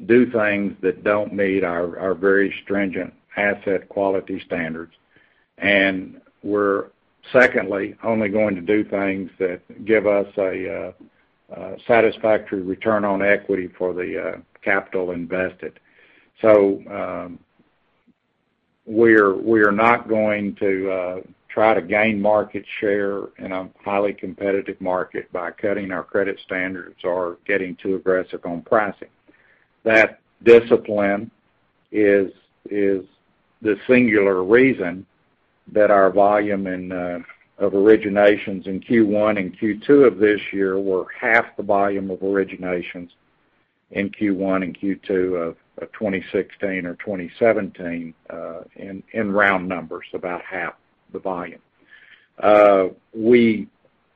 do things that don't meet our very stringent asset quality standards. We're, secondly, only going to do things that give us a satisfactory return on equity for the capital invested. We're not going to try to gain market share in a highly competitive market by cutting our credit standards or getting too aggressive on pricing. That discipline is the singular reason that our volume of originations in Q1 and Q2 of this year were half the volume of originations in Q1 and Q2 of 2016 or 2017, in round numbers, about half the volume. We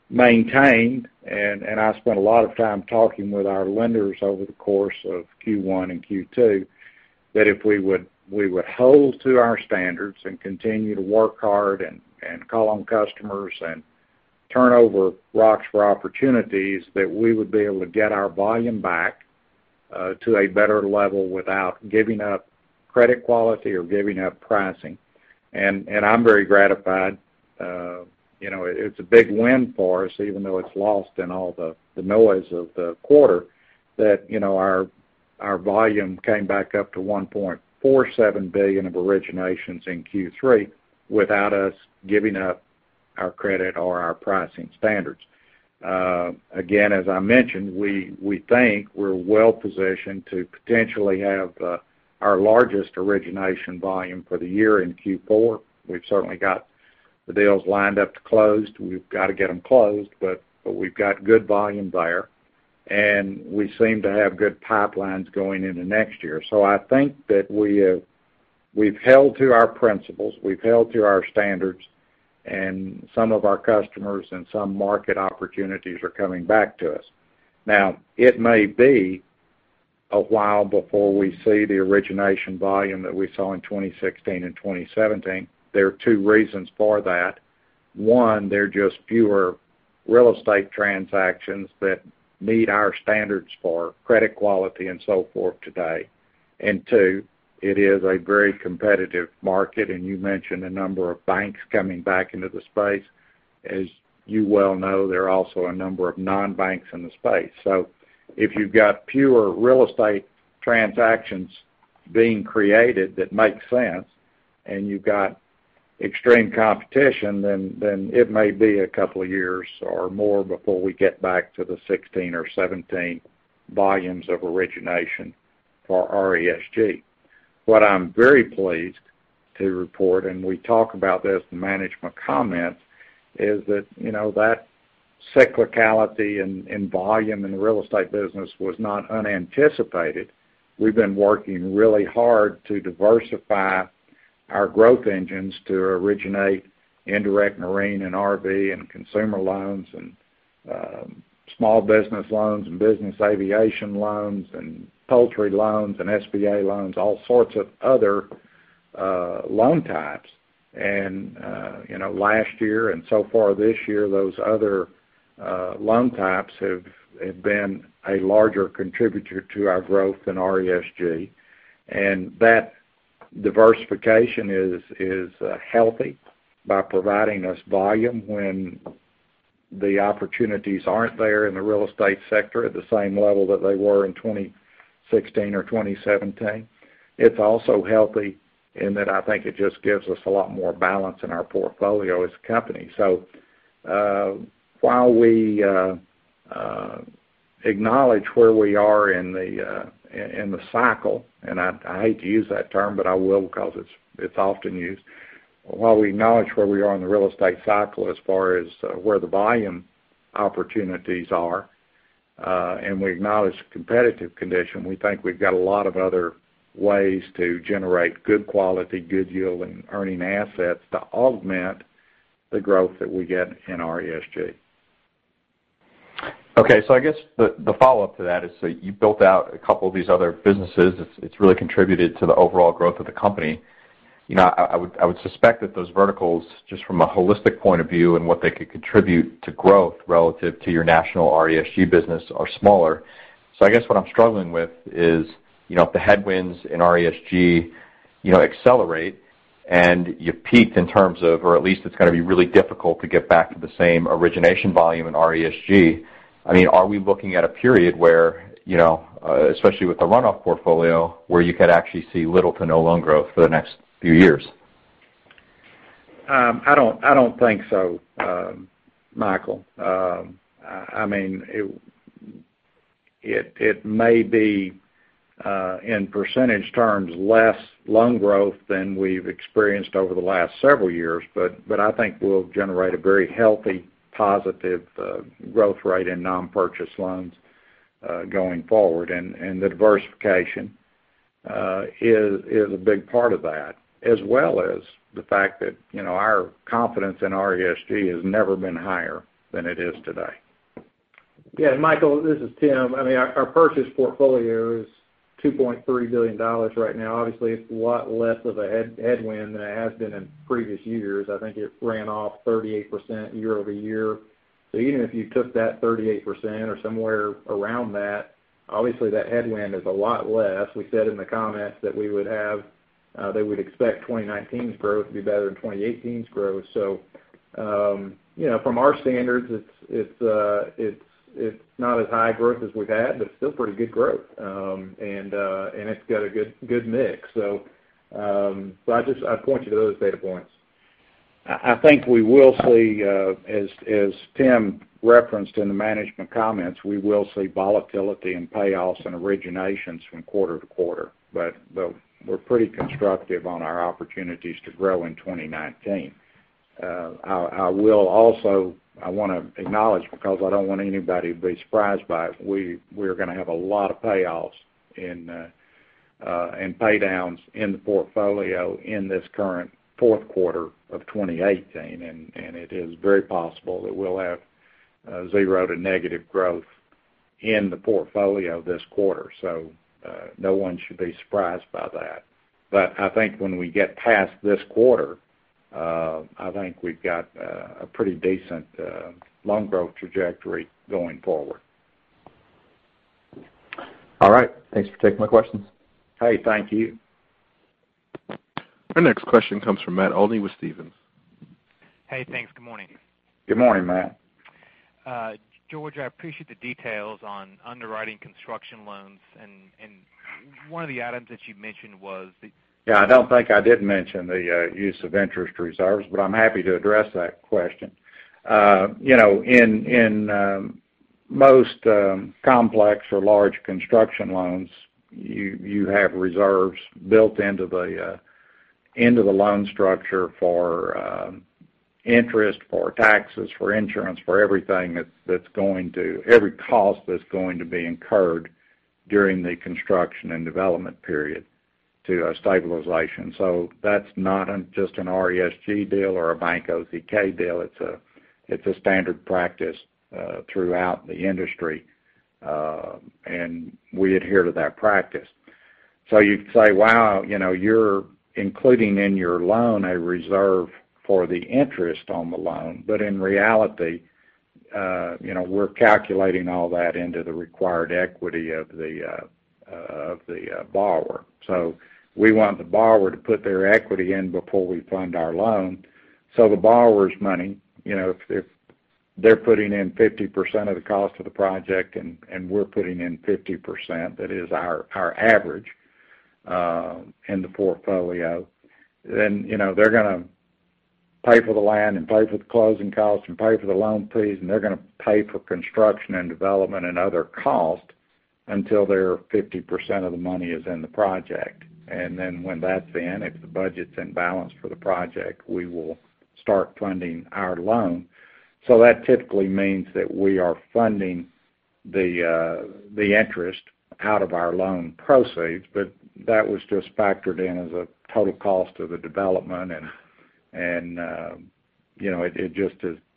maintained, I spent a lot of time talking with our lenders over the course of Q1 and Q2, that if we would hold to our standards and continue to work hard and call on customers and turn over rocks for opportunities, that we would be able to get our volume back to a better level without giving up credit quality or giving up pricing. I'm very gratified. It's a big win for us, even though it's lost in all the noise of the quarter that our volume came back up to $1.47 billion of originations in Q3 without us giving up our credit or our pricing standards. Again, as I mentioned, we think we're well-positioned to potentially have our largest origination volume for the year in Q4. We've certainly got the deals lined up to close. We've got to get them closed, but we've got good volume there. We seem to have good pipelines going into next year. I think that we've held to our principles, we've held to our standards. Some of our customers and some market opportunities are coming back to us. It may be a while before we see the origination volume that we saw in 2016 and 2017. There are two reasons for that. One, there are just fewer real estate transactions that meet our standards for credit quality and so forth today. Two, it is a very competitive market. You mentioned a number of banks coming back into the space. As you well know, there are also a number of non-banks in the space. If you've got fewer real estate transactions being created that make sense, and you've got extreme competition, then it may be a couple of years or more before we get back to the 2016 or 2017 volumes of origination for RESG. What I'm very pleased to report, and we talk about this in management comments, is that cyclicality in volume in the real estate business was not unanticipated. We've been working really hard to diversify our growth engines to originate indirect marine and RV and consumer loans and small business loans and business aviation loans and poultry loans and SBA loans, all sorts of other loan types. Last year and so far this year, those other loan types have been a larger contributor to our growth than RESG. That diversification is healthy by providing us volume when the opportunities aren't there in the real estate sector at the same level that they were in 2016 or 2017. It's also healthy in that I think it just gives us a lot more balance in our portfolio as a company. While we acknowledge where we are in the cycle, and I hate to use that term, but I will because it's often used. While we acknowledge where we are in the real estate cycle as far as where the volume opportunities are, and we acknowledge the competitive condition, we think we've got a lot of other ways to generate good quality, good yield, and earning assets to augment the growth that we get in RESG. Okay. I guess the follow-up to that is, you've built out a couple of these other businesses. It's really contributed to the overall growth of the company. I would suspect that those verticals, just from a holistic point of view and what they could contribute to growth relative to your national RESG business, are smaller. I guess what I'm struggling with is, if the headwinds in RESG accelerate and you've peaked in terms of, or at least it's going to be really difficult to get back to the same origination volume in RESG, are we looking at a period where, especially with the runoff portfolio, where you could actually see little to no loan growth for the next few years? I don't think so, Michael. It may be, in percentage terms, less loan growth than we've experienced over the last several years, but I think we'll generate a very healthy, positive growth rate in non-purchase loans, going forward. The diversification is a big part of that, as well as the fact that our confidence in RESG has never been higher than it is today. Yeah, Michael, this is Tim. Our purchase portfolio is $2.3 billion right now. Obviously, it's a lot less of a headwind than it has been in previous years. I think it ran off 38% year-over-year. Even if you took that 38% or somewhere around that, obviously that headwind is a lot less. We said in the comments that we would expect 2019's growth to be better than 2018's growth. From our standards, it's not as high growth as we've had, but it's still pretty good growth. It's got a good mix. I'd point you to those data points. I think we will see, as Tim referenced in the management comments, we will see volatility in payoffs and originations from quarter to quarter. We're pretty constructive on our opportunities to grow in 2019. I want to acknowledge, because I don't want anybody to be surprised by it, we're going to have a lot of payoffs and pay downs in the portfolio in this current fourth quarter of 2018, and it is very possible that we'll have zero to negative growth in the portfolio this quarter. No one should be surprised by that. I think when we get past this quarter, I think we've got a pretty decent loan growth trajectory going forward. All right. Thanks for taking my questions. Hey, thank you. Our next question comes from Matt Olney with Stephens. Hey, thanks. Good morning. Good morning, Matt. George, I appreciate the details on underwriting construction loans. One of the items that you mentioned was. Yeah, I don't think I did mention the use of interest reserves. I'm happy to address that question. In most complex or large construction loans, you have reserves built into the loan structure for interest, for taxes, for insurance, for everything, every cost that's going to be incurred during the construction and development period to stabilization. That's not just an RESG deal or a Bank OZK deal. It's a standard practice throughout the industry. We adhere to that practice. You'd say, wow, you're including in your loan a reserve for the interest on the loan. In reality, we're calculating all that into the required equity of the borrower. We want the borrower to put their equity in before we fund our loan. The borrower's money, if they're putting in 50% of the cost of the project, we're putting in 50%, that is our average, in the portfolio. They're going to pay for the land, pay for the closing costs, pay for the loan fees. They're going to pay for construction and development and other costs until their 50% of the money is in the project. When that's in, if the budget's in balance for the project, we will start funding our loan. That typically means that we are funding the interest out of our loan proceeds, that was just factored in as a total cost of the development.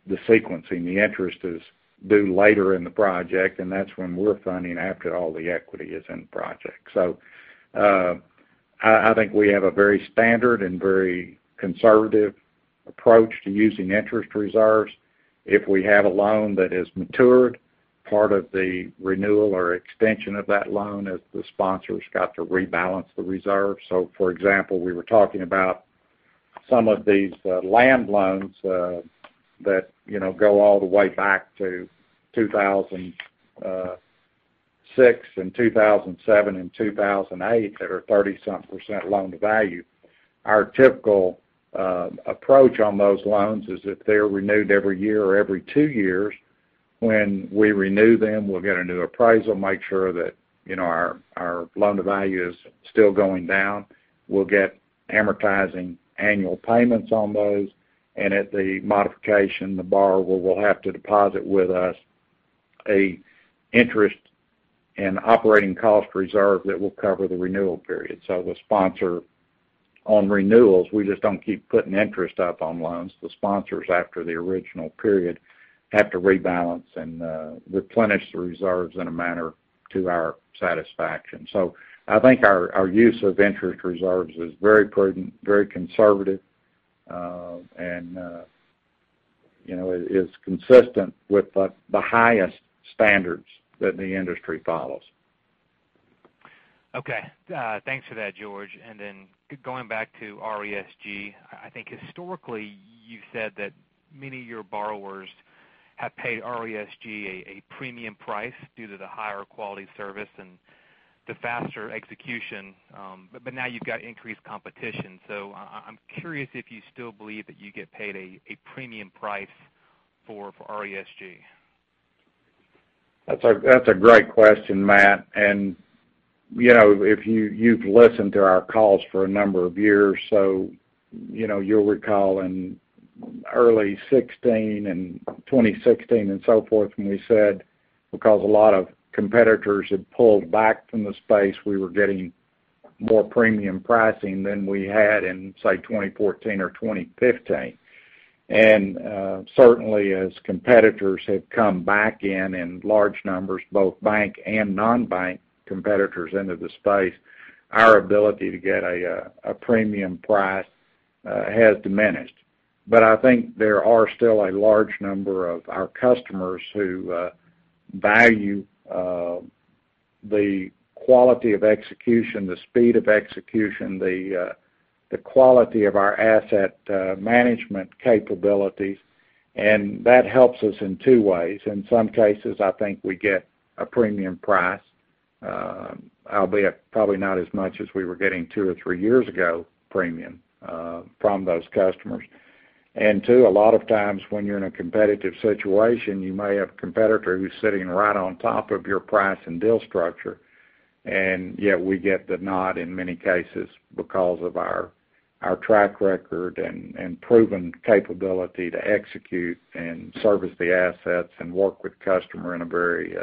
The sequencing, the interest is due later in the project, that's when we're funding after all the equity is in the project. I think we have a very standard and very conservative approach to using interest reserves. If we have a loan that has matured, part of the renewal or extension of that loan is the sponsor's got to rebalance the reserve. For example, we were talking about some of these land loans that go all the way back to 2006 and 2007 and 2008 that are 30-something% loan-to-value. Our typical approach on those loans is if they're renewed every year or every two years, when we renew them, we'll get a new appraisal, make sure that our loan-to-value is still going down. We'll get amortizing annual payments on those. At the modification, the borrower will have to deposit with us an interest and operating cost reserve that will cover the renewal period. The sponsor on renewals, we just don't keep putting interest up on loans. The sponsors, after the original period, have to rebalance and replenish the reserves in a manner to our satisfaction. I think our use of interest reserves is very prudent, very conservative, and it is consistent with the highest standards that the industry follows. Okay. Thanks for that, George. Going back to RESG, I think historically you said that many of your borrowers have paid RESG a premium price due to the higher quality service and the faster execution. Now you've got increased competition. I'm curious if you still believe that you get paid a premium price for RESG. That's a great question, Matt. If you've listened to our calls for a number of years, you'll recall in early 2016 and 2016 and so forth, when we said because a lot of competitors had pulled back from the space, we were getting more premium pricing than we had in, say, 2014 or 2015. Certainly as competitors have come back in in large numbers, both bank and non-bank competitors into the space, our ability to get a premium price has diminished. I think there are still a large number of our customers who value the quality of execution, the speed of execution, the quality of our asset management capabilities, and that helps us in two ways. In some cases, I think we get a premium price, albeit probably not as much as we were getting two or three years ago premium from those customers. Two, a lot of times when you're in a competitive situation, you may have a competitor who's sitting right on top of your price and deal structure, and yet we get the nod in many cases because of our track record and proven capability to execute and service the assets and work with the customer in a very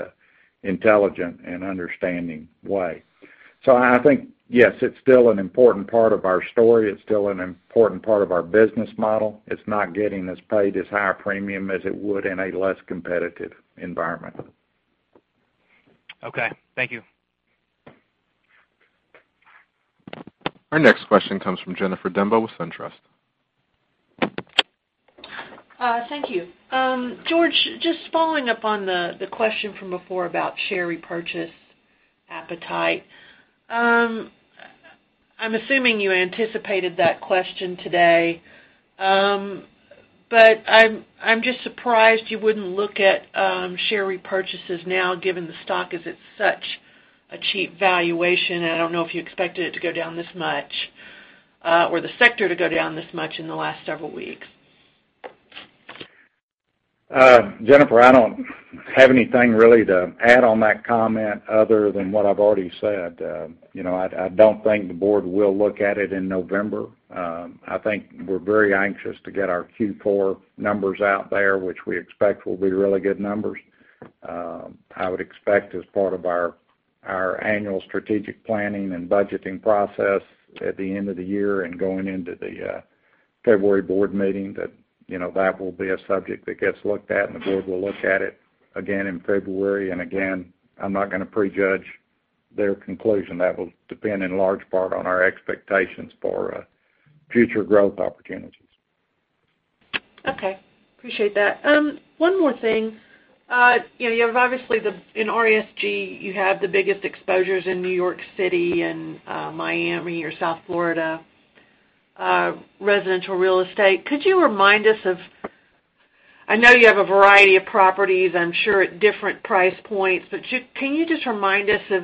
intelligent and understanding way. I think, yes, it's still an important part of our story. It's still an important part of our business model. It's not getting us paid as high a premium as it would in a less competitive environment. Okay. Thank you. Our next question comes from Jennifer Demba with SunTrust. Thank you. George, just following up on the question from before about share repurchase appetite. I am assuming you anticipated that question today, but I am just surprised you wouldn't look at share repurchases now, given the stock is at such a cheap valuation, and I don't know if you expected it to go down this much, or the sector to go down this much in the last several weeks. Jennifer, I don't have anything really to add on that comment other than what I've already said. I don't think the board will look at it in November. I think we're very anxious to get our Q4 numbers out there, which we expect will be really good numbers. I would expect as part of our annual strategic planning and budgeting process at the end of the year and going into the February board meeting, that will be a subject that gets looked at, and the board will look at it again in February. Again, I'm not going to prejudge their conclusion. That will depend in large part on our expectations for future growth opportunities. Okay. Appreciate that. One more thing. Obviously in RESG, you have the biggest exposures in New York City and Miami or South Florida residential real estate. I know you have a variety of properties, I'm sure at different price points, but can you just remind us of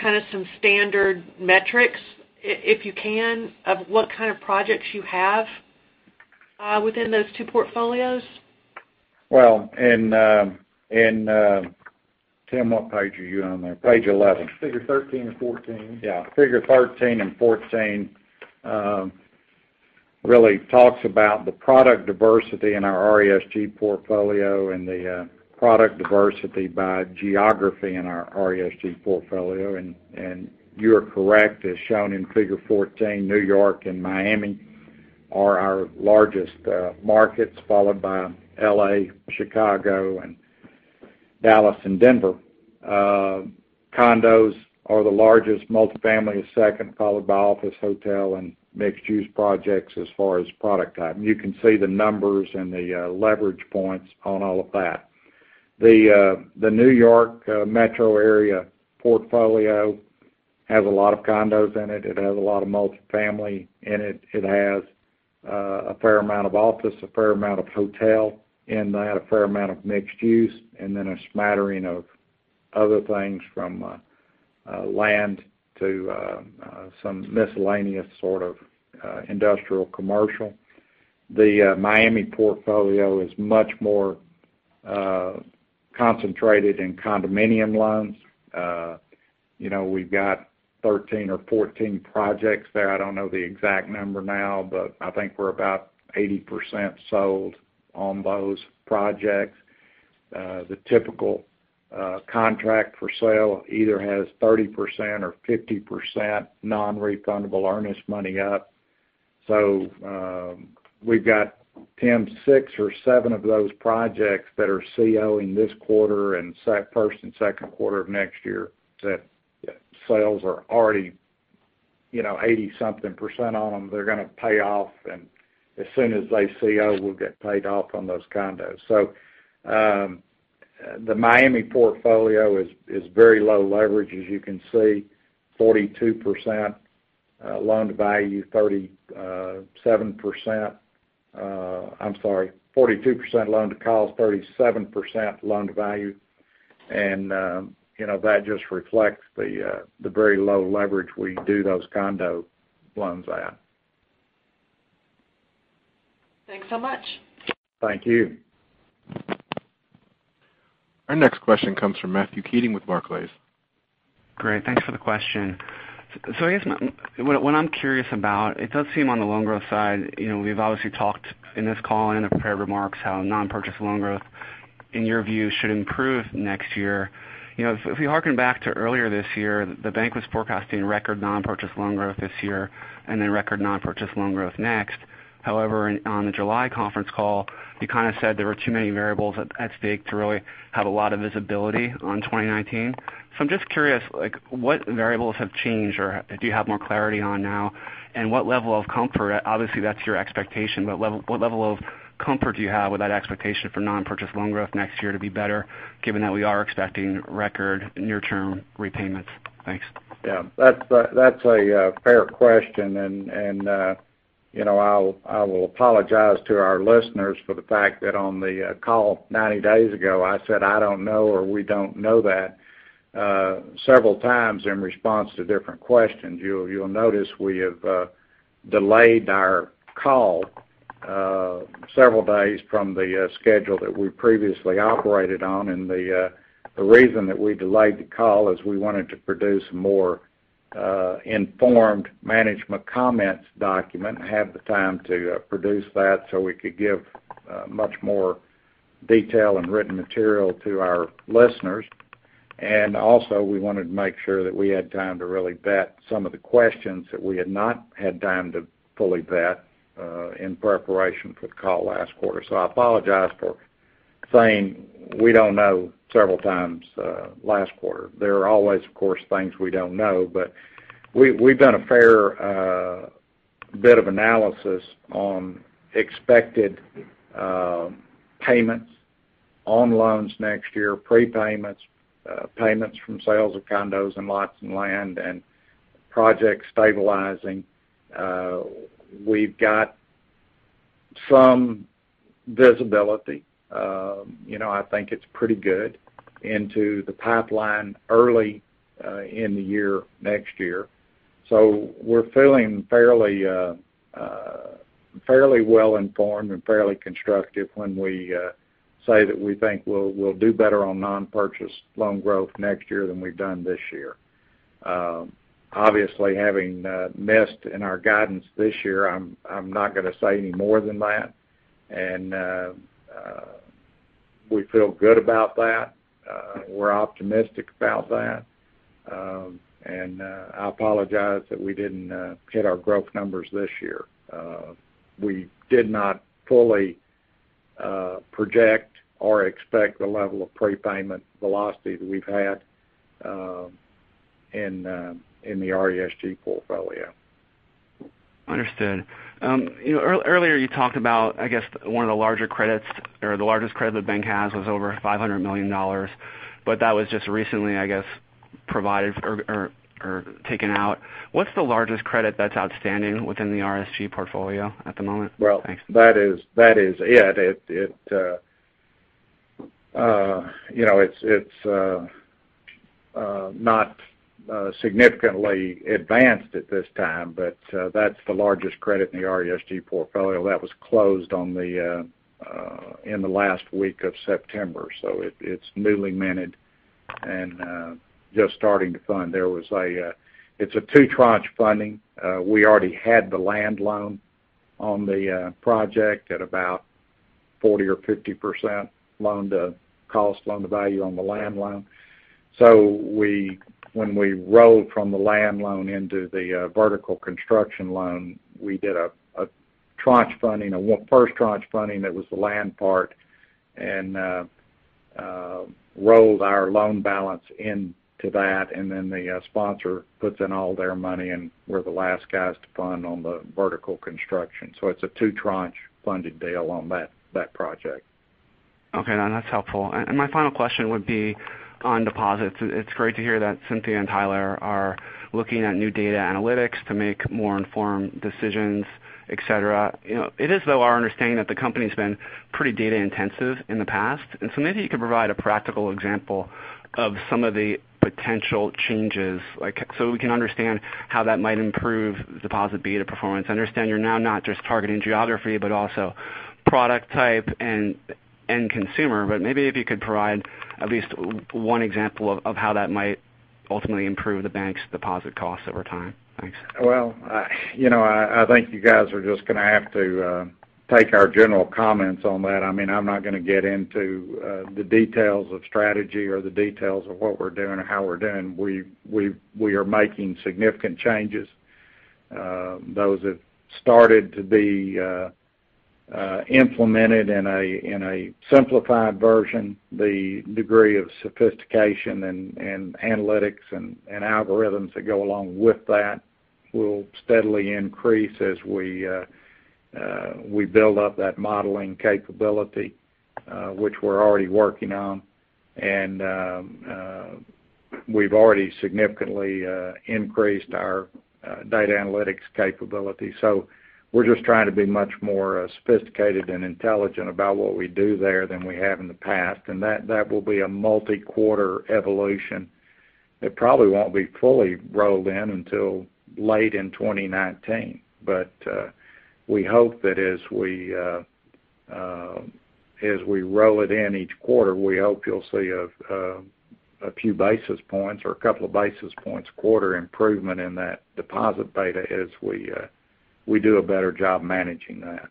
kind of some standard metrics, if you can, of what kind of projects you have within those two portfolios? Well, Tim, what page are you on there? Page 11. Figure 13 and 14. Yeah. Figure 13 and 14 really talks about the product diversity in our RESG portfolio and the product diversity by geography in our RESG portfolio. You are correct, as shown in Figure 14, New York and Miami are our largest markets, followed by L.A., Chicago, and Dallas and Denver. Condos are the largest, multifamily is second, followed by office, hotel, and mixed-use projects as far as product type. You can see the numbers and the leverage points on all of that. The New York Metro area portfolio has a lot of condos in it. It has a lot of multifamily in it. It has a fair amount of office, a fair amount of hotel in that, a fair amount of mixed use, and then a smattering of other things from land to some miscellaneous sort of industrial commercial. The Miami portfolio is much more concentrated in condominium loans. We've got 13 or 14 projects there. I don't know the exact number now, but I think we're about 80% sold on those projects. The typical contract for sale either has 30% or 50% non-refundable earnest money up. We've got, Tim, six or seven of those projects that are COing this quarter and first and second quarter of next year that sales are already 80-something% on them. They're going to pay off, and as soon as they CO, we'll get paid off on those condos. The Miami portfolio is very low leverage, as you can see, 42% loan to value, 37% I'm sorry, 42% loan to cost, 37% loan to value. That just reflects the very low leverage we do those condo loans at. Thanks so much. Thank you. Our next question comes from Matthew Keating with Barclays. Great, thanks for the question. I guess, what I'm curious about, it does seem on the loan growth side, we've obviously talked in this call and in the prepared remarks how non-purchase loan growth, in your view, should improve next year. If we harken back to earlier this year, the bank was forecasting record non-purchase loan growth this year, and then record non-purchase loan growth next. On the July conference call, you kind of said there were too many variables at stake to really have a lot of visibility on 2019. I'm just curious, what variables have changed, or do you have more clarity on now? What level of comfort, obviously, that's your expectation, but what level of comfort do you have with that expectation for non-purchase loan growth next year to be better, given that we are expecting record near-term repayments? Thanks. Yeah. That's a fair question, and I will apologize to our listeners for the fact that on the call 90 days ago, I said, "I don't know," or, "We don't know that," several times in response to different questions. You'll notice we have delayed our call several days from the schedule that we previously operated on. The reason that we delayed the call is we wanted to produce a more informed management comments document and have the time to produce that so we could give much more detail and written material to our listeners. Also, we wanted to make sure that we had time to really vet some of the questions that we had not had time to fully vet in preparation for the call last quarter. I apologize for saying, "We don't know," several times last quarter. There are always, of course, things we don't know, but we've done a fair bit of analysis on expected payments on loans next year, prepayments, payments from sales of condos and lots and land, and projects stabilizing. We've got some visibility. I think it's pretty good into the pipeline early in the year, next year. We're feeling fairly well-informed and fairly constructive when we say that we think we'll do better on non-purchase loan growth next year than we've done this year. Obviously, having missed in our guidance this year, I'm not going to say any more than that, and we feel good about that. We're optimistic about that. I apologize that we didn't hit our growth numbers this year. We did not fully project or expect the level of prepayment velocity that we've had in the RESG portfolio. Understood. Earlier you talked about, I guess, one of the larger credits, or the largest credit the bank has was over $500 million, but that was just recently, I guess, provided or taken out. What's the largest credit that's outstanding within the RESG portfolio at the moment? Thanks. Well, that is it. It's not significantly advanced at this time, but that's the largest credit in the RESG portfolio. That was closed in the last week of September, so it's newly minted and just starting to fund. It's a two-tranche funding. We already had the land loan on the project at about 40% or 50% loan to cost, loan to value on the land loan. When we rolled from the land loan into the vertical construction loan, we did a tranche funding, a first tranche funding that was the land part, and rolled our loan balance into that, and then the sponsor puts in all their money, and we're the last guys to fund on the vertical construction. It's a two-tranche funded deal on that project. Okay. No, that's helpful. My final question would be on deposits. It's great to hear that Cindy and Tyler are looking at new data analytics to make more informed decisions, et cetera. It is, though, our understanding that the company's been pretty data-intensive in the past. So maybe you could provide a practical example of some of the potential changes, so we can understand how that might improve deposit beta performance. I understand you're now not just targeting geography, but also product type and end consumer, but maybe if you could provide at least one example of how that might ultimately improve the bank's deposit costs over time. Thanks. Well, I think you guys are just going to have to take our general comments on that. I'm not going to get into the details of strategy or the details of what we're doing or how we're doing. We are making significant changes. Those have started to be implemented in a simplified version. The degree of sophistication and analytics and algorithms that go along with that will steadily increase as we build up that modeling capability, which we're already working on. We've already significantly increased our data analytics capability. So we're just trying to be much more sophisticated and intelligent about what we do there than we have in the past. That will be a multi-quarter evolution that probably won't be fully rolled in until late in 2019. We hope that as we roll it in each quarter, we hope you'll see a few basis points or a couple of basis points quarter improvement in that deposit beta as we do a better job managing that.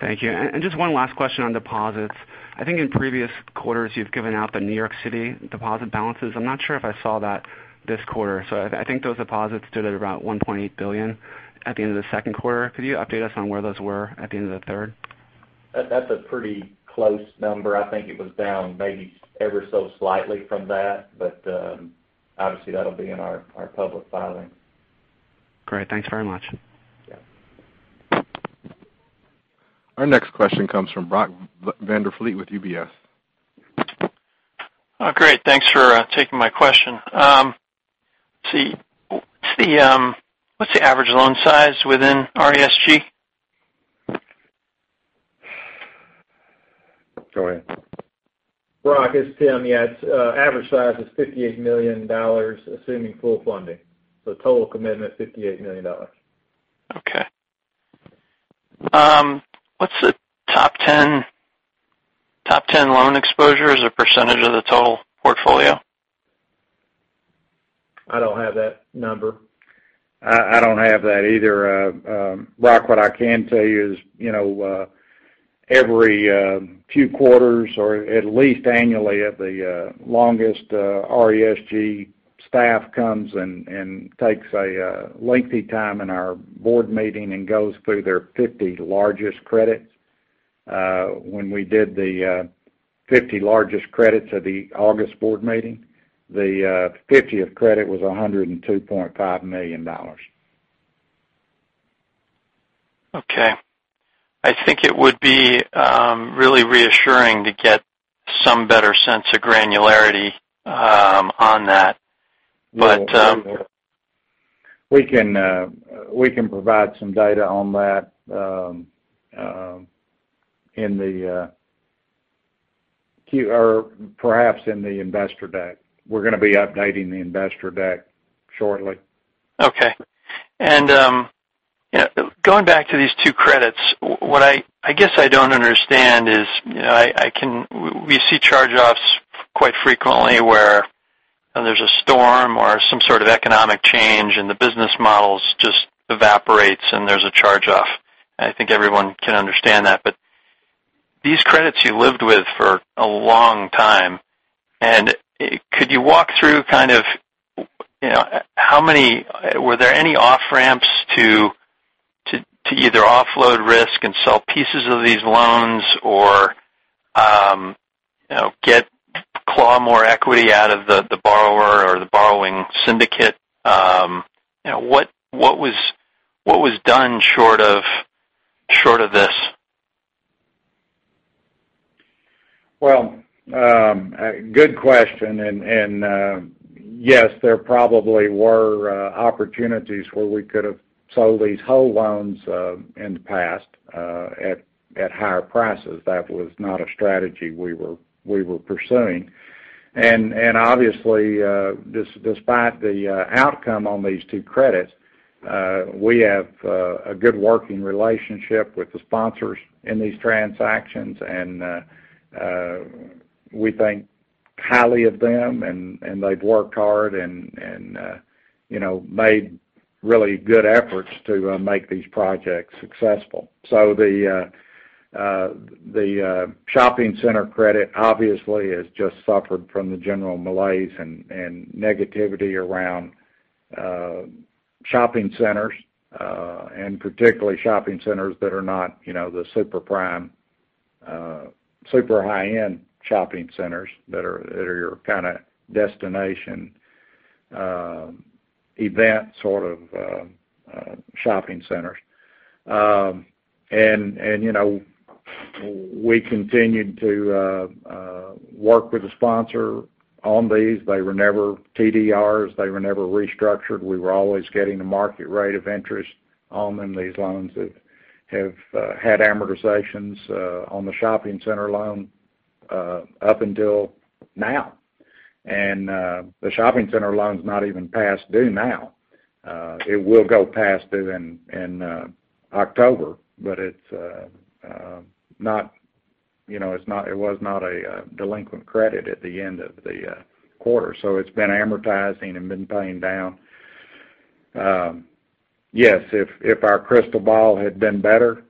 Thank you. Just one last question on deposits. I think in previous quarters, you've given out the New York City deposit balances. I'm not sure if I saw that this quarter. So I think those deposits stood at about $1.8 billion at the end of the second quarter. Could you update us on where those were at the end of the third? That's a pretty close number. I think it was down maybe ever so slightly from that, but, obviously, that'll be in our public filing. Great. Thanks very much. Yeah. Our next question comes from Brock Vandervliet with UBS. Oh, great. Thanks for taking my question. Let's see. What's the average loan size within RESG? Go ahead. Brock, it's Tim. Yeah. Average size is $58 million, assuming full funding. Total commitment, $58 million. Okay. What's the top 10 loan exposure as a percentage of the total portfolio? I don't have that number. I don't have that either. Brock, what I can tell you is, every few quarters or at least annually at the longest, RESG staff comes and takes a lengthy time in our board meeting and goes through their 50 largest credits. When we did the 50 largest credits at the August board meeting, the 50th credit was $102.5 million. Okay. I think it would be really reassuring to get some better sense of granularity on that. We can provide some data on that perhaps in the investor deck. We're going to be updating the investor deck shortly. Okay. Going back to these two credits, what I guess I don't understand is, we see charge-offs quite frequently where there's a storm or some sort of economic change and the business models just evaporates and there's a charge-off. I think everyone can understand that, these credits you lived with for a long time. Could you walk through kind of, were there any off-ramps to either offload risk and sell pieces of these loans or claw more equity out of the borrower or the borrowing syndicate? What was done short of this? Well, good question. Yes, there probably were opportunities where we could have sold these whole loans in the past at higher prices. That was not a strategy we were pursuing. Obviously, despite the outcome on these two credits, we have a good working relationship with the sponsors in these transactions, and we think highly of them, and they've worked hard and made really good efforts to make these projects successful. The shopping center credit, obviously, has just suffered from the general malaise and negativity around shopping centers, and particularly shopping centers that are not the super prime, super high-end shopping centers that are your kind of destination event sort of shopping centers. We continued to work with the sponsor on these. They were never TDRs. They were never restructured. We were always getting the market rate of interest on them, these loans that have had amortizations on the shopping center loan up until now. The shopping center loan's not even past due now. It will go past due in October, but it was not a delinquent credit at the end of the quarter. It's been amortizing and been paying down. Yes, if our crystal ball had been better,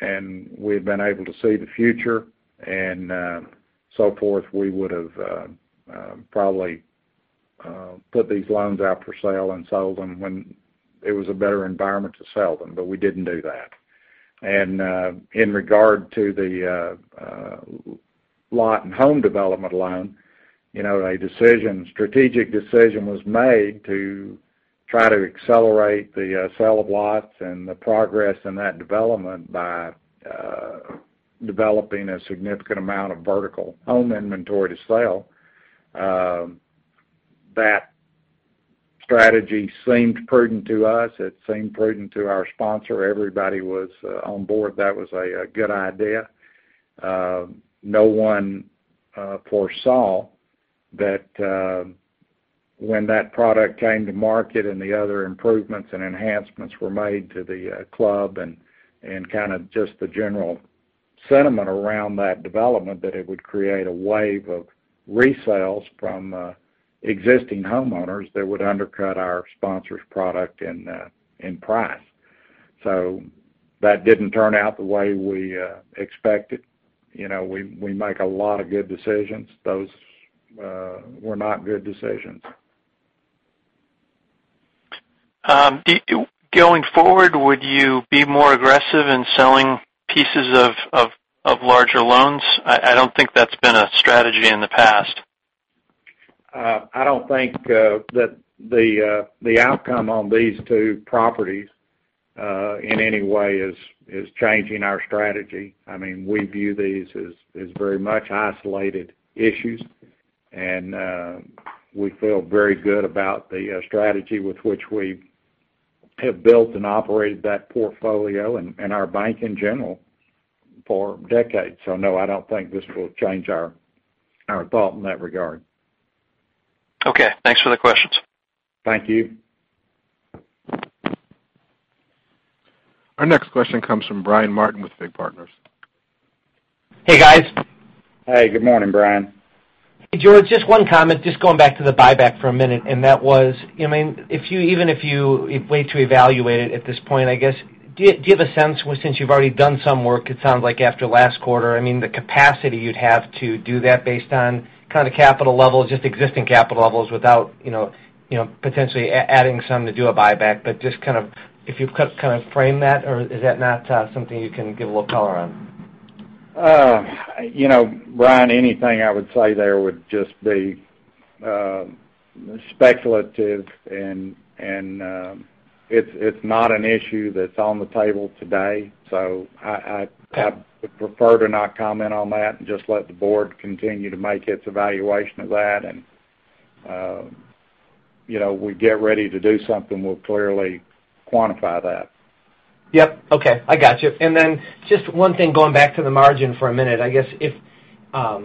and we had been able to see the future and so forth, we would've probably put these loans out for sale and sold them when it was a better environment to sell them. We didn't do that. In regard to the lot and home development loan, a strategic decision was made to try to accelerate the sale of lots and the progress in that development by developing a significant amount of vertical home inventory to sell. That strategy seemed prudent to us. It seemed prudent to our sponsor. Everybody was on board. That was a good idea. No one foresaw that when that product came to market and the other improvements and enhancements were made to the club and kind of just the general sentiment around that development, that it would create a wave of resales from existing homeowners that would undercut our sponsor's product and price. That didn't turn out the way we expected. We make a lot of good decisions. Those were not good decisions. Going forward, would you be more aggressive in selling pieces of larger loans? I don't think that's been a strategy in the past. I don't think that the outcome on these two properties in any way is changing our strategy. We view these as very much isolated issues, and we feel very good about the strategy with which we have built and operated that portfolio and our bank in general for decades. No, I don't think this will change our thought in that regard. Okay. Thanks for the questions. Thank you. Our next question comes from Brian Martin with FIG Partners. Hey, guys. Hey, good morning, Brian. Hey, George, just one comment, just going back to the buyback for a minute. That was, even if you wait to evaluate it at this point, I guess, do you have a sense, since you've already done some work, it sounds like after last quarter, the capacity you'd have to do that based on kind of capital levels, just existing capital levels without potentially adding some to do a buyback? If you kind of frame that, or is that not something you can give a little color on? Brian, anything I would say there would just be speculative. It's not an issue that's on the table today. I would prefer to not comment on that and just let the board continue to make its evaluation of that, and when we get ready to do something, we'll clearly quantify that. Yep. Okay. I got you. Just one thing, going back to the margin for a minute, I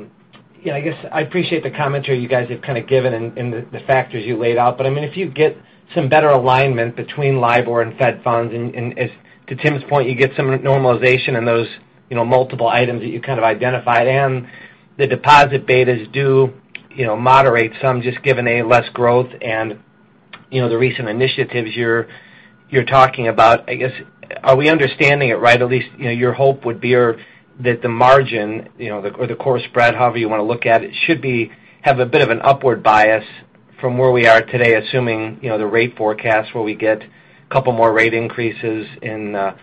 appreciate the commentary you guys have kind of given and the factors you laid out. If you get some better alignment between LIBOR and Fed funds and, to Tim's point, you get some normalization in those multiple items that you kind of identified and the deposit betas do moderate some, just given less growth and the recent initiatives you're talking about, I guess, are we understanding it right, at least, your hope would be that the margin or the core spread, however you want to look at it, should have a bit of an upward bias from where we are today, assuming the rate forecast where we get a couple more rate increases in I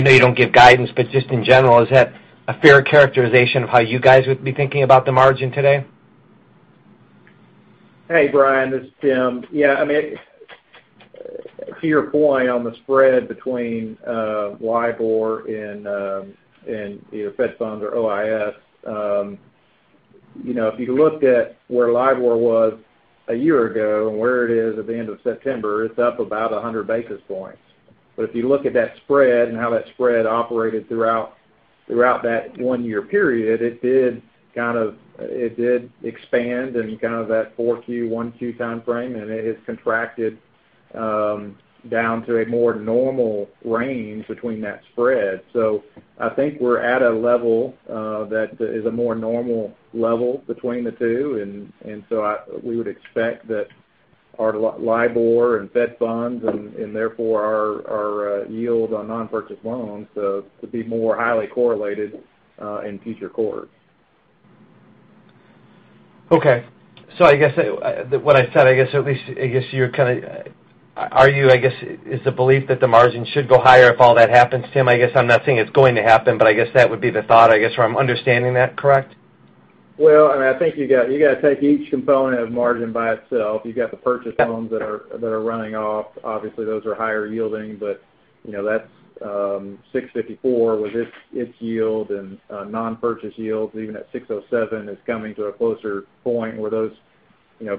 know you don't give guidance, just in general, is that a fair characterization of how you guys would be thinking about the margin today? Hey, Brian, this is Tim. Yeah. To your point on the spread between LIBOR and either Fed funds or OIS, if you looked at where LIBOR was a year ago and where it is at the end of September, it's up about 100 basis points. If you look at that spread and how that spread operated throughout that one-year period, it did expand in kind of that 4Q, 1Q timeframe, and it has contracted down to a more normal range between that spread. I think we're at a level that is a more normal level between the two, and so we would expect that our LIBOR and Fed funds and therefore our yield on non-purchase loans to be more highly correlated in future quarters. Okay. I guess what I said, I guess at least, is the belief that the margin should go higher if all that happens, Tim? I guess I'm not saying it's going to happen, I guess that would be the thought, I guess, or I'm understanding that correct? Well, I think you've got to take each component of margin by itself. You've got the purchase loans that are running off. Obviously, those are higher yielding, but that's 654 with its yield and non-purchase yields even at 607 is coming to a closer point where those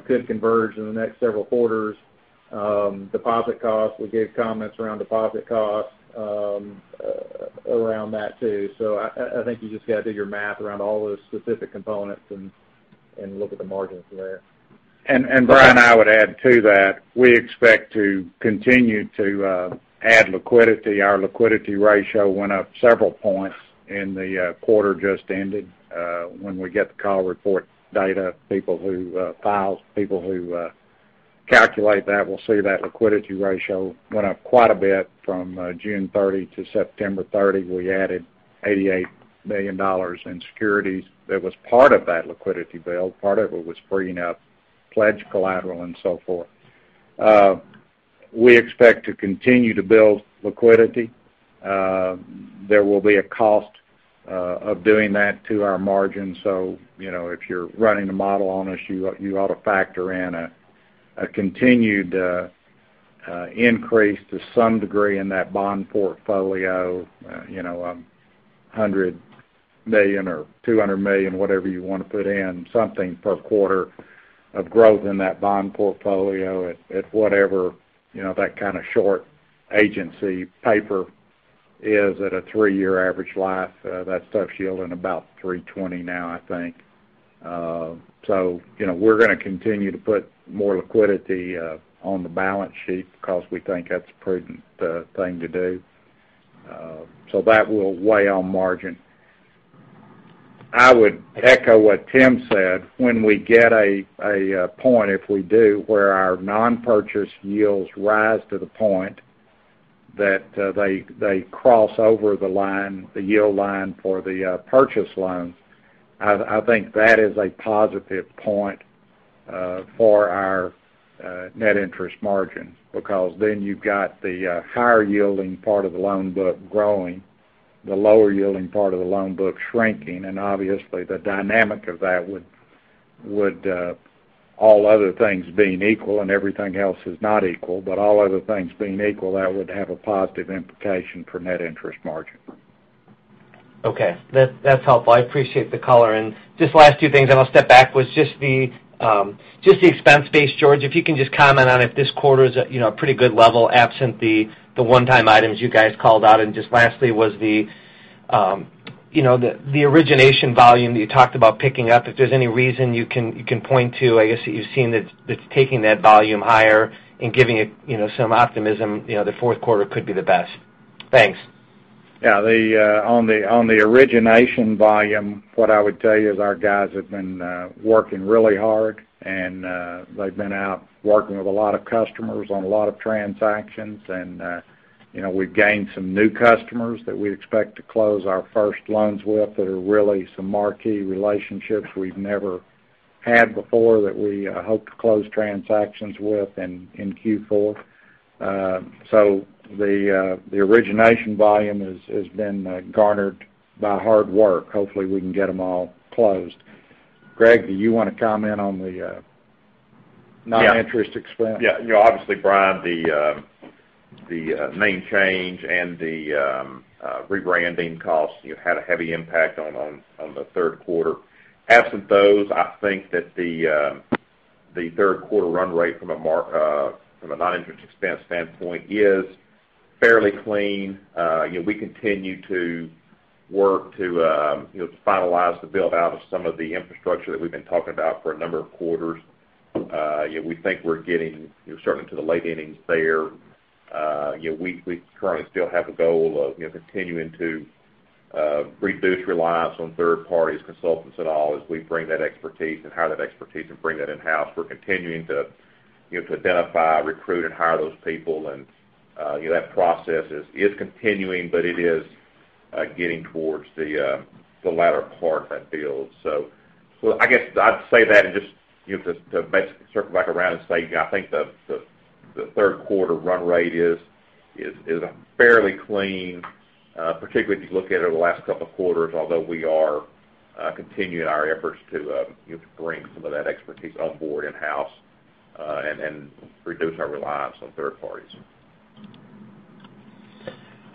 could converge in the next several quarters. Deposit costs, we gave comments around deposit costs around that, too. I think you just got to do your math around all those specific components and look at the margins there. Brian, I would add to that, we expect to continue to add liquidity. Our liquidity ratio went up several points in the quarter just ended. When we get the call report data, people who file, people who calculate that will see that liquidity ratio went up quite a bit from June 30 to September 30. We added $88 million in securities that was part of that liquidity build. Part of it was freeing up pledged collateral and so forth. We expect to continue to build liquidity. There will be a cost of doing that to our margin. If you're running a model on us, you ought to factor in a continued increase to some degree in that bond portfolio, $100 million or $200 million, whatever you want to put in, something per quarter of growth in that bond portfolio at whatever that kind of short agency paper is at a three-year average life. That stuff's yielding about 320 now, I think. We're going to continue to put more liquidity on the balance sheet because we think that's a prudent thing to do. That will weigh on margin. I would echo what Tim said. When we get a point, if we do, where our non-purchase yields rise to the point that they cross over the yield line for the purchase loans, I think that is a positive point for our net interest margin, because then you've got the higher yielding part of the loan book growing, the lower yielding part of the loan book shrinking, and obviously the dynamic of that would, all other things being equal and everything else is not equal, but all other things being equal, that would have a positive implication for net interest margin. Okay. That's helpful. I appreciate the color. Just last two things, then I'll step back, was just the expense base, George, if you can just comment on if this quarter is a pretty good level absent the one-time items you guys called out. Just lastly was the origination volume that you talked about picking up, if there's any reason you can point to, I guess, that you've seen that's taking that volume higher and giving it some optimism, the fourth quarter could be the best. Thanks. Yeah. On the origination volume, what I would tell you is our guys have been working really hard, and they've been out working with a lot of customers on a lot of transactions. We've gained some new customers that we expect to close our first loans with, that are really some marquee relationships we've never had before, that we hope to close transactions with in Q4. The origination volume has been garnered by hard work. Hopefully, we can get them all closed. Greg, do you want to comment on the non-interest expense? Yeah. Obviously, Brian, the name change and the rebranding costs had a heavy impact on the third quarter. Absent those, I think that the third quarter run rate from a non-interest expense standpoint is fairly clean. We continue to work to finalize the build-out of some of the infrastructure that we've been talking about for a number of quarters. We think we're getting certainly to the late innings there. We currently still have a goal of continuing to reduce reliance on third parties, consultants, and all as we bring that expertise and hire that expertise and bring that in-house. We're continuing to identify, recruit, and hire those people, and that process is continuing, but it is getting towards the latter part of that build. I guess I'd say that and just to circle back around and say, I think the third quarter run rate is fairly clean, particularly if you look at it over the last couple of quarters, although we are continuing our efforts to bring some of that expertise on board in-house and reduce our reliance on third parties.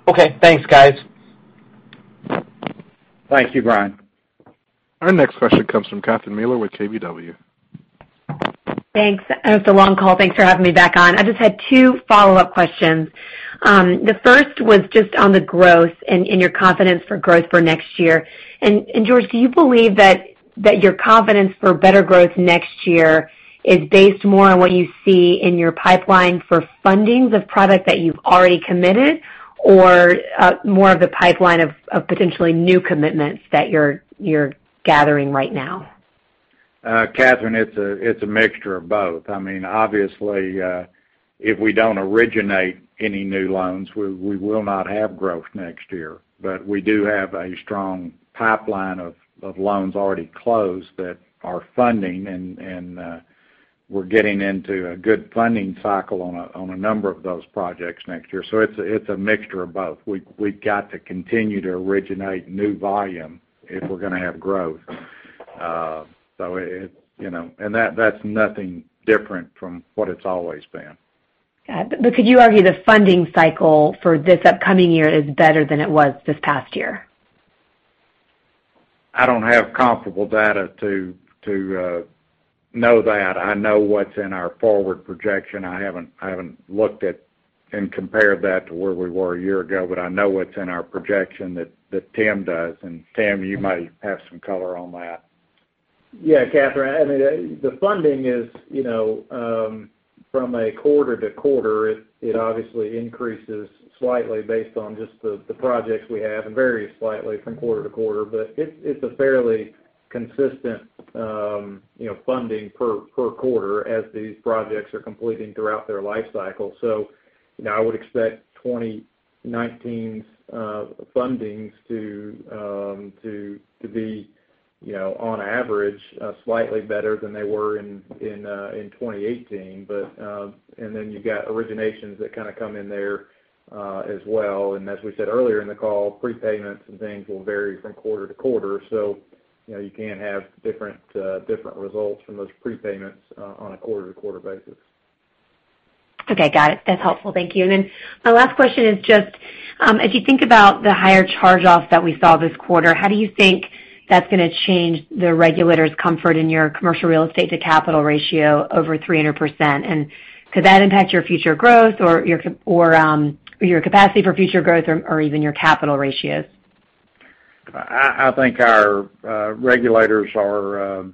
Okay. Thanks, guys. Thank you, Brian. Our next question comes from Catherine Mealor with KBW. Thanks. It's a long call. Thanks for having me back on. I just had two follow-up questions. The first was just on the growth and your confidence for growth for next year. George, do you believe that your confidence for better growth next year is based more on what you see in your pipeline for fundings of product that you've already committed, or more of the pipeline of potentially new commitments that you're gathering right now? Catherine, it's a mixture of both. Obviously, if we don't originate any new loans, we will not have growth next year. We do have a strong pipeline of loans already closed that are funding. We're getting into a good funding cycle on a number of those projects next year. It's a mixture of both. We've got to continue to originate new volume if we're going to have growth. That's nothing different from what it's always been. Got it. Could you argue the funding cycle for this upcoming year is better than it was this past year? I don't have comparable data to know that. I know what's in our forward projection. I haven't looked at and compared that to where we were a year ago, but I know what's in our projection that Tim does, and Tim, you might have some color on that. Yeah, Catherine. The funding is from a quarter to quarter, it obviously increases slightly based on just the projects we have and varies slightly from quarter to quarter. It's a fairly consistent funding per quarter as these projects are completing throughout their life cycle. I would expect 2019's fundings to be on average, slightly better than they were in 2018. Then you've got originations that kind of come in there as well. As we said earlier in the call, prepayments and things will vary from quarter to quarter. You can have different results from those prepayments on a quarter-to-quarter basis. Okay. Got it. That's helpful. Thank you. My last question is just, as you think about the higher charge-offs that we saw this quarter, how do you think that's going to change the regulators' comfort in your commercial real estate to capital ratio over 300%? Could that impact your future growth or your capacity for future growth or even your capital ratios? I think our regulators are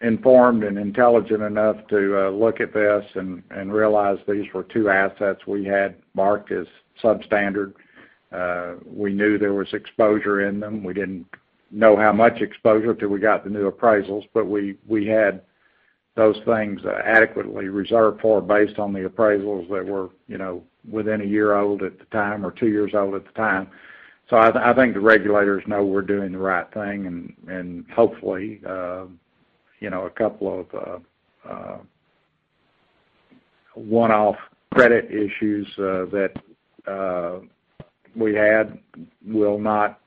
informed and intelligent enough to look at this and realize these were two assets we had marked as substandard. We knew there was exposure in them. We didn't know how much exposure till we got the new appraisals, but we had those things adequately reserved for based on the appraisals that were within a year old at the time, or two years old at the time. I think the regulators know we're doing the right thing, and hopefully, a couple of one-off credit issues that we had will not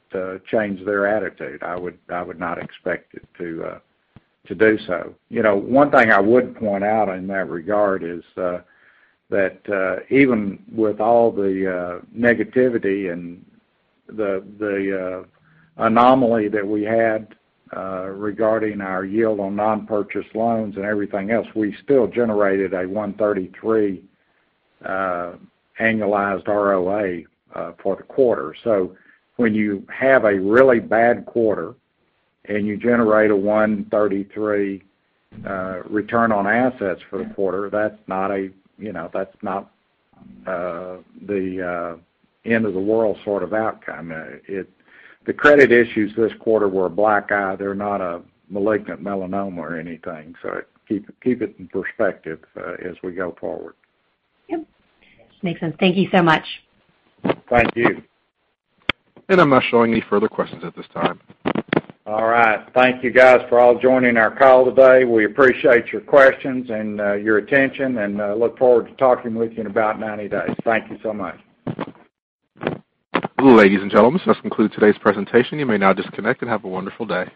change their attitude. I would not expect it to do so. One thing I would point out in that regard is that even with all the negativity and the anomaly that we had regarding our yield on non-purchase loans and everything else, we still generated a 133 annualized ROA for the quarter. When you have a really bad quarter and you generate a 133 return on assets for the quarter, that's not the end of the world sort of outcome. The credit issues this quarter were a black eye. They're not a malignant melanoma or anything. Keep it in perspective as we go forward. Yep. Makes sense. Thank you so much. Thank you. I'm not showing any further questions at this time. All right. Thank you guys for all joining our call today. We appreciate your questions and your attention, and look forward to talking with you in about 90 days. Thank you so much. Ladies and gentlemen, this concludes today's presentation. You may now disconnect and have a wonderful day.